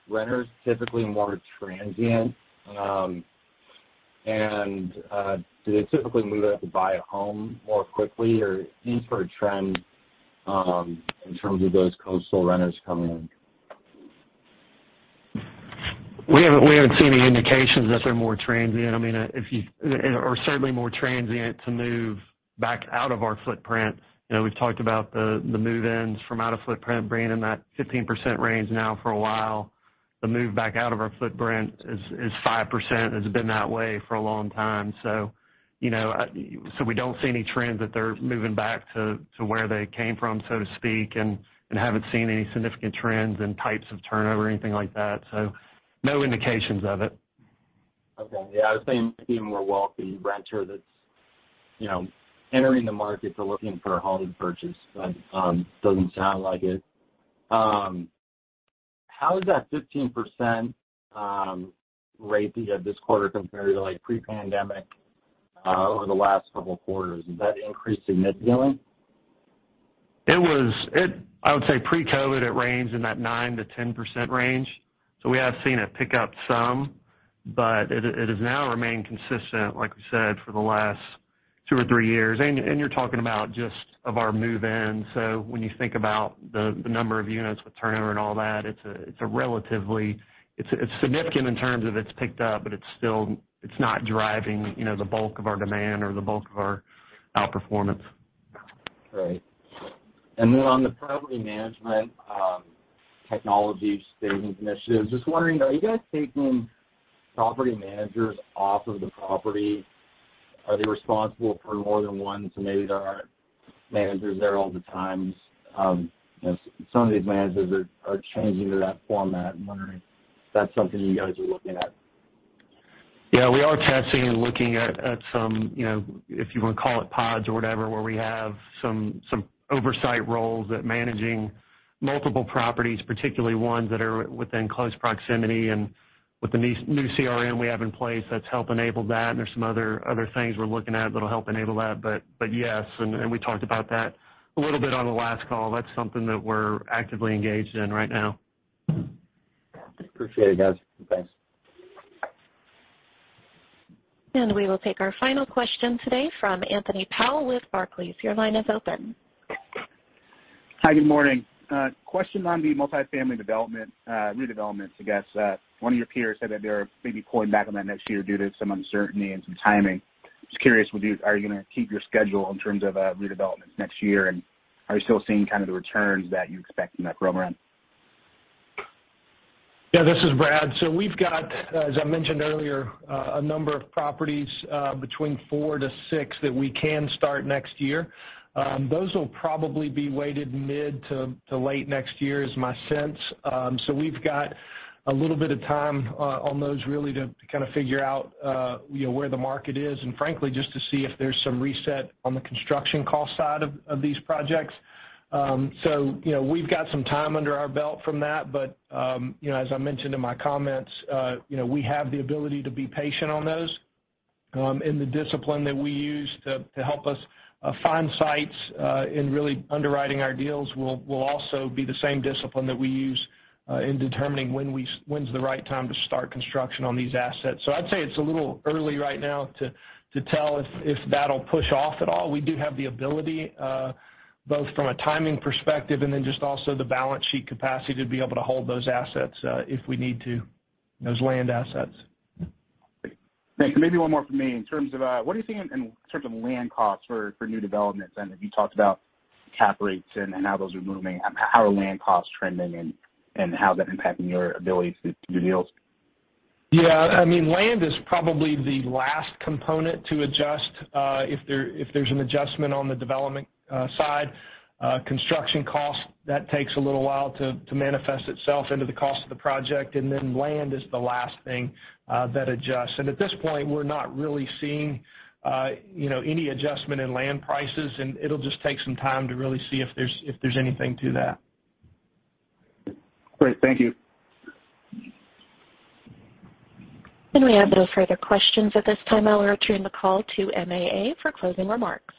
renters typically more transient? Do they typically move out to buy a home more quickly? Any sort of trend, in terms of those coastal renters coming in? We haven't seen any indications that they're more transient. I mean, or certainly more transient to move back out of our footprint. You know, we've talked about the move-ins from out of footprint bringing in that 15% range now for a while. The move back out of our footprint is 5%, has been that way for a long time. You know, we don't see any trends that they're moving back to where they came from, so to speak, and haven't seen any significant trends and types of turnover or anything like that. No indications of it. Okay. Yeah, I was thinking maybe a more wealthy renter that's, you know, entering the market to looking for a home purchase, but, doesn't sound like it. How is that 15% rate that you had this quarter compared to like pre-pandemic over the last couple of quarters? Is that increasing materially? I would say pre-COVID, it ranged in that 9%-10% range. We have seen it pick up some, but it has now remained consistent, like we said, for the last 2 or 3 years. You're talking about just of our move-in. When you think about the number of units with turnover and all that, it's a relatively. It's significant in terms of it's picked up, but it's still not driving, you know, the bulk of our demand or the bulk of our outperformance. Right. On the property management, technology savings initiatives, just wondering, are you guys taking property managers off of the property? Are they responsible for more than one? Maybe there aren't managers there all the times. You know, some of these managers are changing to that format. I'm wondering if that's something you guys are looking at. Yeah, we are testing and looking at some, you know, if you wanna call it pods or whatever, where we have some oversight roles at managing multiple properties, particularly ones that are within close proximity. With the new CRM we have in place, that's helped enable that. There's some other things we're looking at that'll help enable that. Yes, and we talked about that a little bit on the last call. That's something that we're actively engaged in right now. Appreciate it, guys. Thanks. We will take our final question today from Anthony Powell with Barclays. Your line is open. Hi, good morning. Question on the multifamily development, redevelopments, I guess. One of your peers said that they are maybe pulling back on that next year due to some uncertainty and some timing. Just curious with you, are you gonna keep your schedule in terms of redevelopments next year? Are you still seeing kind of the returns that you expect from that program? Yeah, this is Brad. We've got, as I mentioned earlier, a number of properties between 4-6 that we can start next year. Those will probably be weighted mid- to late next year is my sense. We've got a little bit of time on those really to kind of figure out you know where the market is, and frankly, just to see if there's some reset on the construction cost side of these projects. You know, we've got some time under our belt from that. You know, as I mentioned in my comments, you know, we have the ability to be patient on those. The discipline that we use to help us find sites in really underwriting our deals will also be the same discipline that we use in determining when's the right time to start construction on these assets. I'd say it's a little early right now to tell if that'll push off at all. We do have the ability both from a timing perspective and then just also the balance sheet capacity to be able to hold those assets if we need to, those land assets. Great. Thank you. Maybe one more for me. In terms of what are you seeing in terms of land costs for new developments? I know you talked about cap rates and how those are moving. How are land costs trending and how are they impacting your ability to do deals? Yeah. I mean, land is probably the last component to adjust if there's an adjustment on the development side. Construction cost takes a little while to manifest itself into the cost of the project, and then land is the last thing that adjusts. At this point, we're not really seeing, you know, any adjustment in land prices, and it'll just take some time to really see if there's anything to that. Great. Thank you. We have no further questions at this time. I'll return the call to MAA for closing remarks.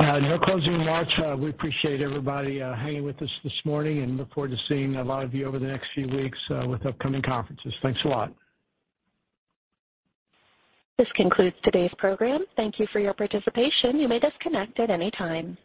No closing remarks. We appreciate everybody hanging with us this morning and look forward to seeing a lot of you over the next few weeks with upcoming conferences. Thanks a lot. This concludes today's program. Thank you for your participation. You may disconnect at any time.